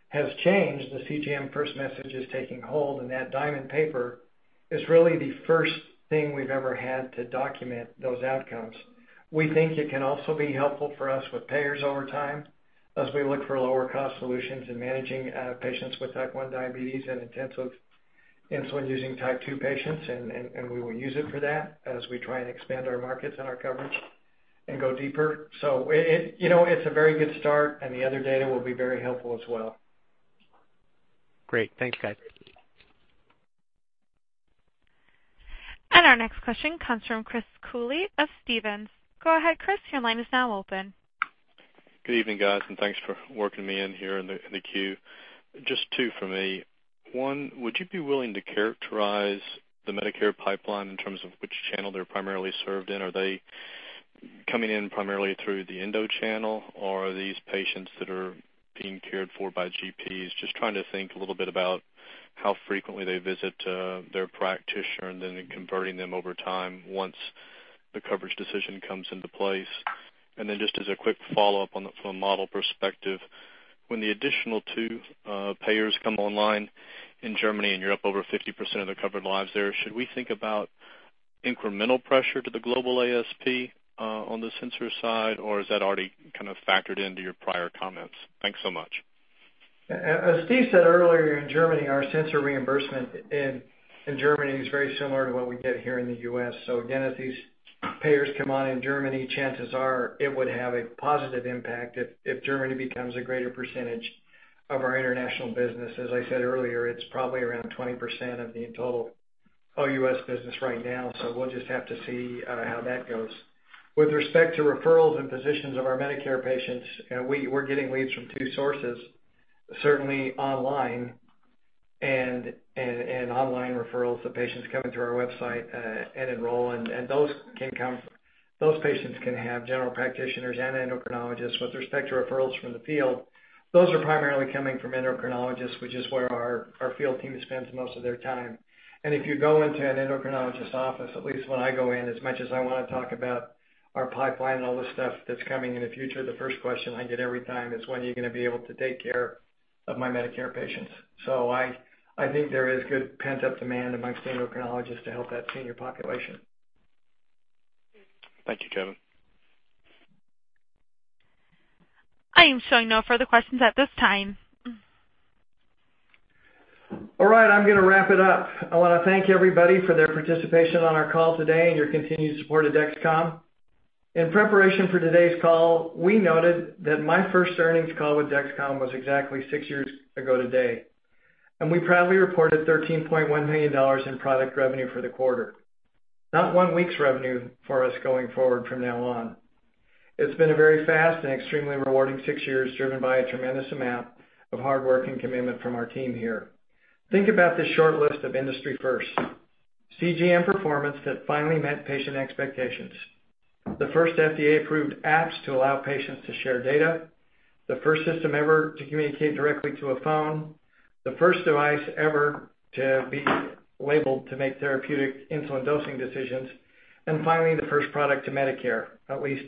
has changed. The CGM first message is taking hold, and that DIaMonD paper is really the first thing we've ever had to document those outcomes. We think it can also be helpful for us with payers over time as we look for lower cost solutions in managing patients with Type 1 diabetes and intensive insulin-using type two patients, and we will use it for that as we try and expand our markets and our coverage and go deeper. It, you know, it's a very good start, and the other data will be very helpful as well. Great. Thanks, guys. Our next question comes from Chris Cooley of Stephens. Go ahead, Chris. Your line is now open. Good evening, guys, and thanks for working me in here in the queue. Just two from me. One, would you be willing to characterize the Medicare pipeline in terms of which channel they're primarily served in? Are they coming in primarily through the endo channel or are these patients that are being cared for by GPs? Just trying to think a little bit about how frequently they visit their practitioner and then converting them over time once the coverage decision comes into place. Then just as a quick follow-up from a model perspective, when the additional two payers come online in Germany, and you're up over 50% of the covered lives there, should we think about incremental pressure to the global ASP on the sensor side, or is that already kind of factored into your prior comments? Thanks so much. As Steve said earlier, in Germany, our sensor reimbursement in Germany is very similar to what we get here in the U.S. Again, as these payers come on in Germany, chances are it would have a positive impact if Germany becomes a greater percentage of our international business. As I said earlier, it's probably around 20% of the total OUS business right now, so we'll just have to see how that goes. With respect to referrals and physicians of our Medicare patients, we're getting leads from two sources, certainly online and online referrals of patients coming through our website and enrolling. Those patients can have general practitioners and endocrinologists. With respect to referrals from the field, those are primarily coming from endocrinologists, which is where our field team spends most of their time. If you go into an endocrinologist office, at least when I go in, as much as I wanna talk about our pipeline and all the stuff that's coming in the future, the first question I get every time is, "When are you gonna be able to take care of my Medicare patients?" I think there is good pent-up demand amongst endocrinologists to help that senior population. Thank you, Kevin. I am showing no further questions at this time. All right, I'm gonna wrap it up. I wanna thank everybody for their participation on our call today and your continued support of Dexcom. In preparation for today's call, we noted that my first earnings call with Dexcom was exactly six years ago today. We proudly reported $13.1 million in product revenue for the quarter. Not one week's revenue for us going forward from now on. It's been a very fast and extremely rewarding six years, driven by a tremendous amount of hard work and commitment from our team here. Think about this short list of industry firsts. CGM performance that finally met patient expectations, the first FDA-approved apps to allow patients to share data, the first system ever to communicate directly to a phone, the first device ever to be labeled to make therapeutic insulin dosing decisions, and finally, the first product to Medicare, at least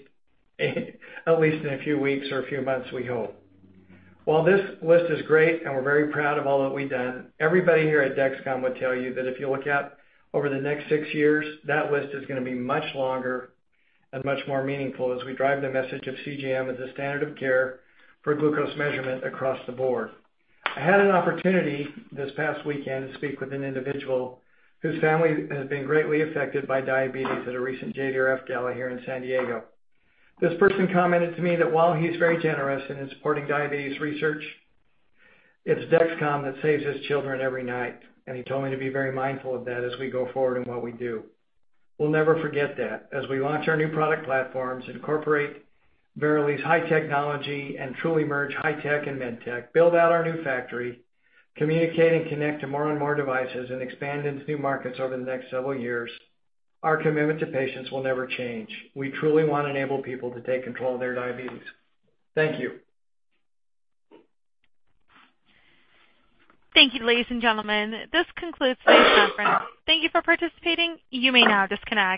in a few weeks or a few months, we hope. While this list is great, and we're very proud of all that we've done, everybody here at Dexcom will tell you that if you look out over the next six years, that list is gonna be much longer and much more meaningful as we drive the message of CGM as a standard of care for glucose measurement across the board. I had an opportunity this past weekend to speak with an individual whose family has been greatly affected by diabetes at a recent JDRF gala here in San Diego. This person commented to me that while he's very generous and is supporting diabetes research, it's Dexcom that saves his children every night. He told me to be very mindful of that as we go forward in what we do. We'll never forget that. As we launch our new product platforms, incorporate Verily's high technology and truly merge high tech and med tech, build out our new factory, communicate and connect to more and more devices, and expand into new markets over the next several years, our commitment to patients will never change. We truly want to enable people to take control of their diabetes. Thank you. Thank you, ladies and gentlemen. This concludes today's conference. Thank you for participating. You may now disconnect.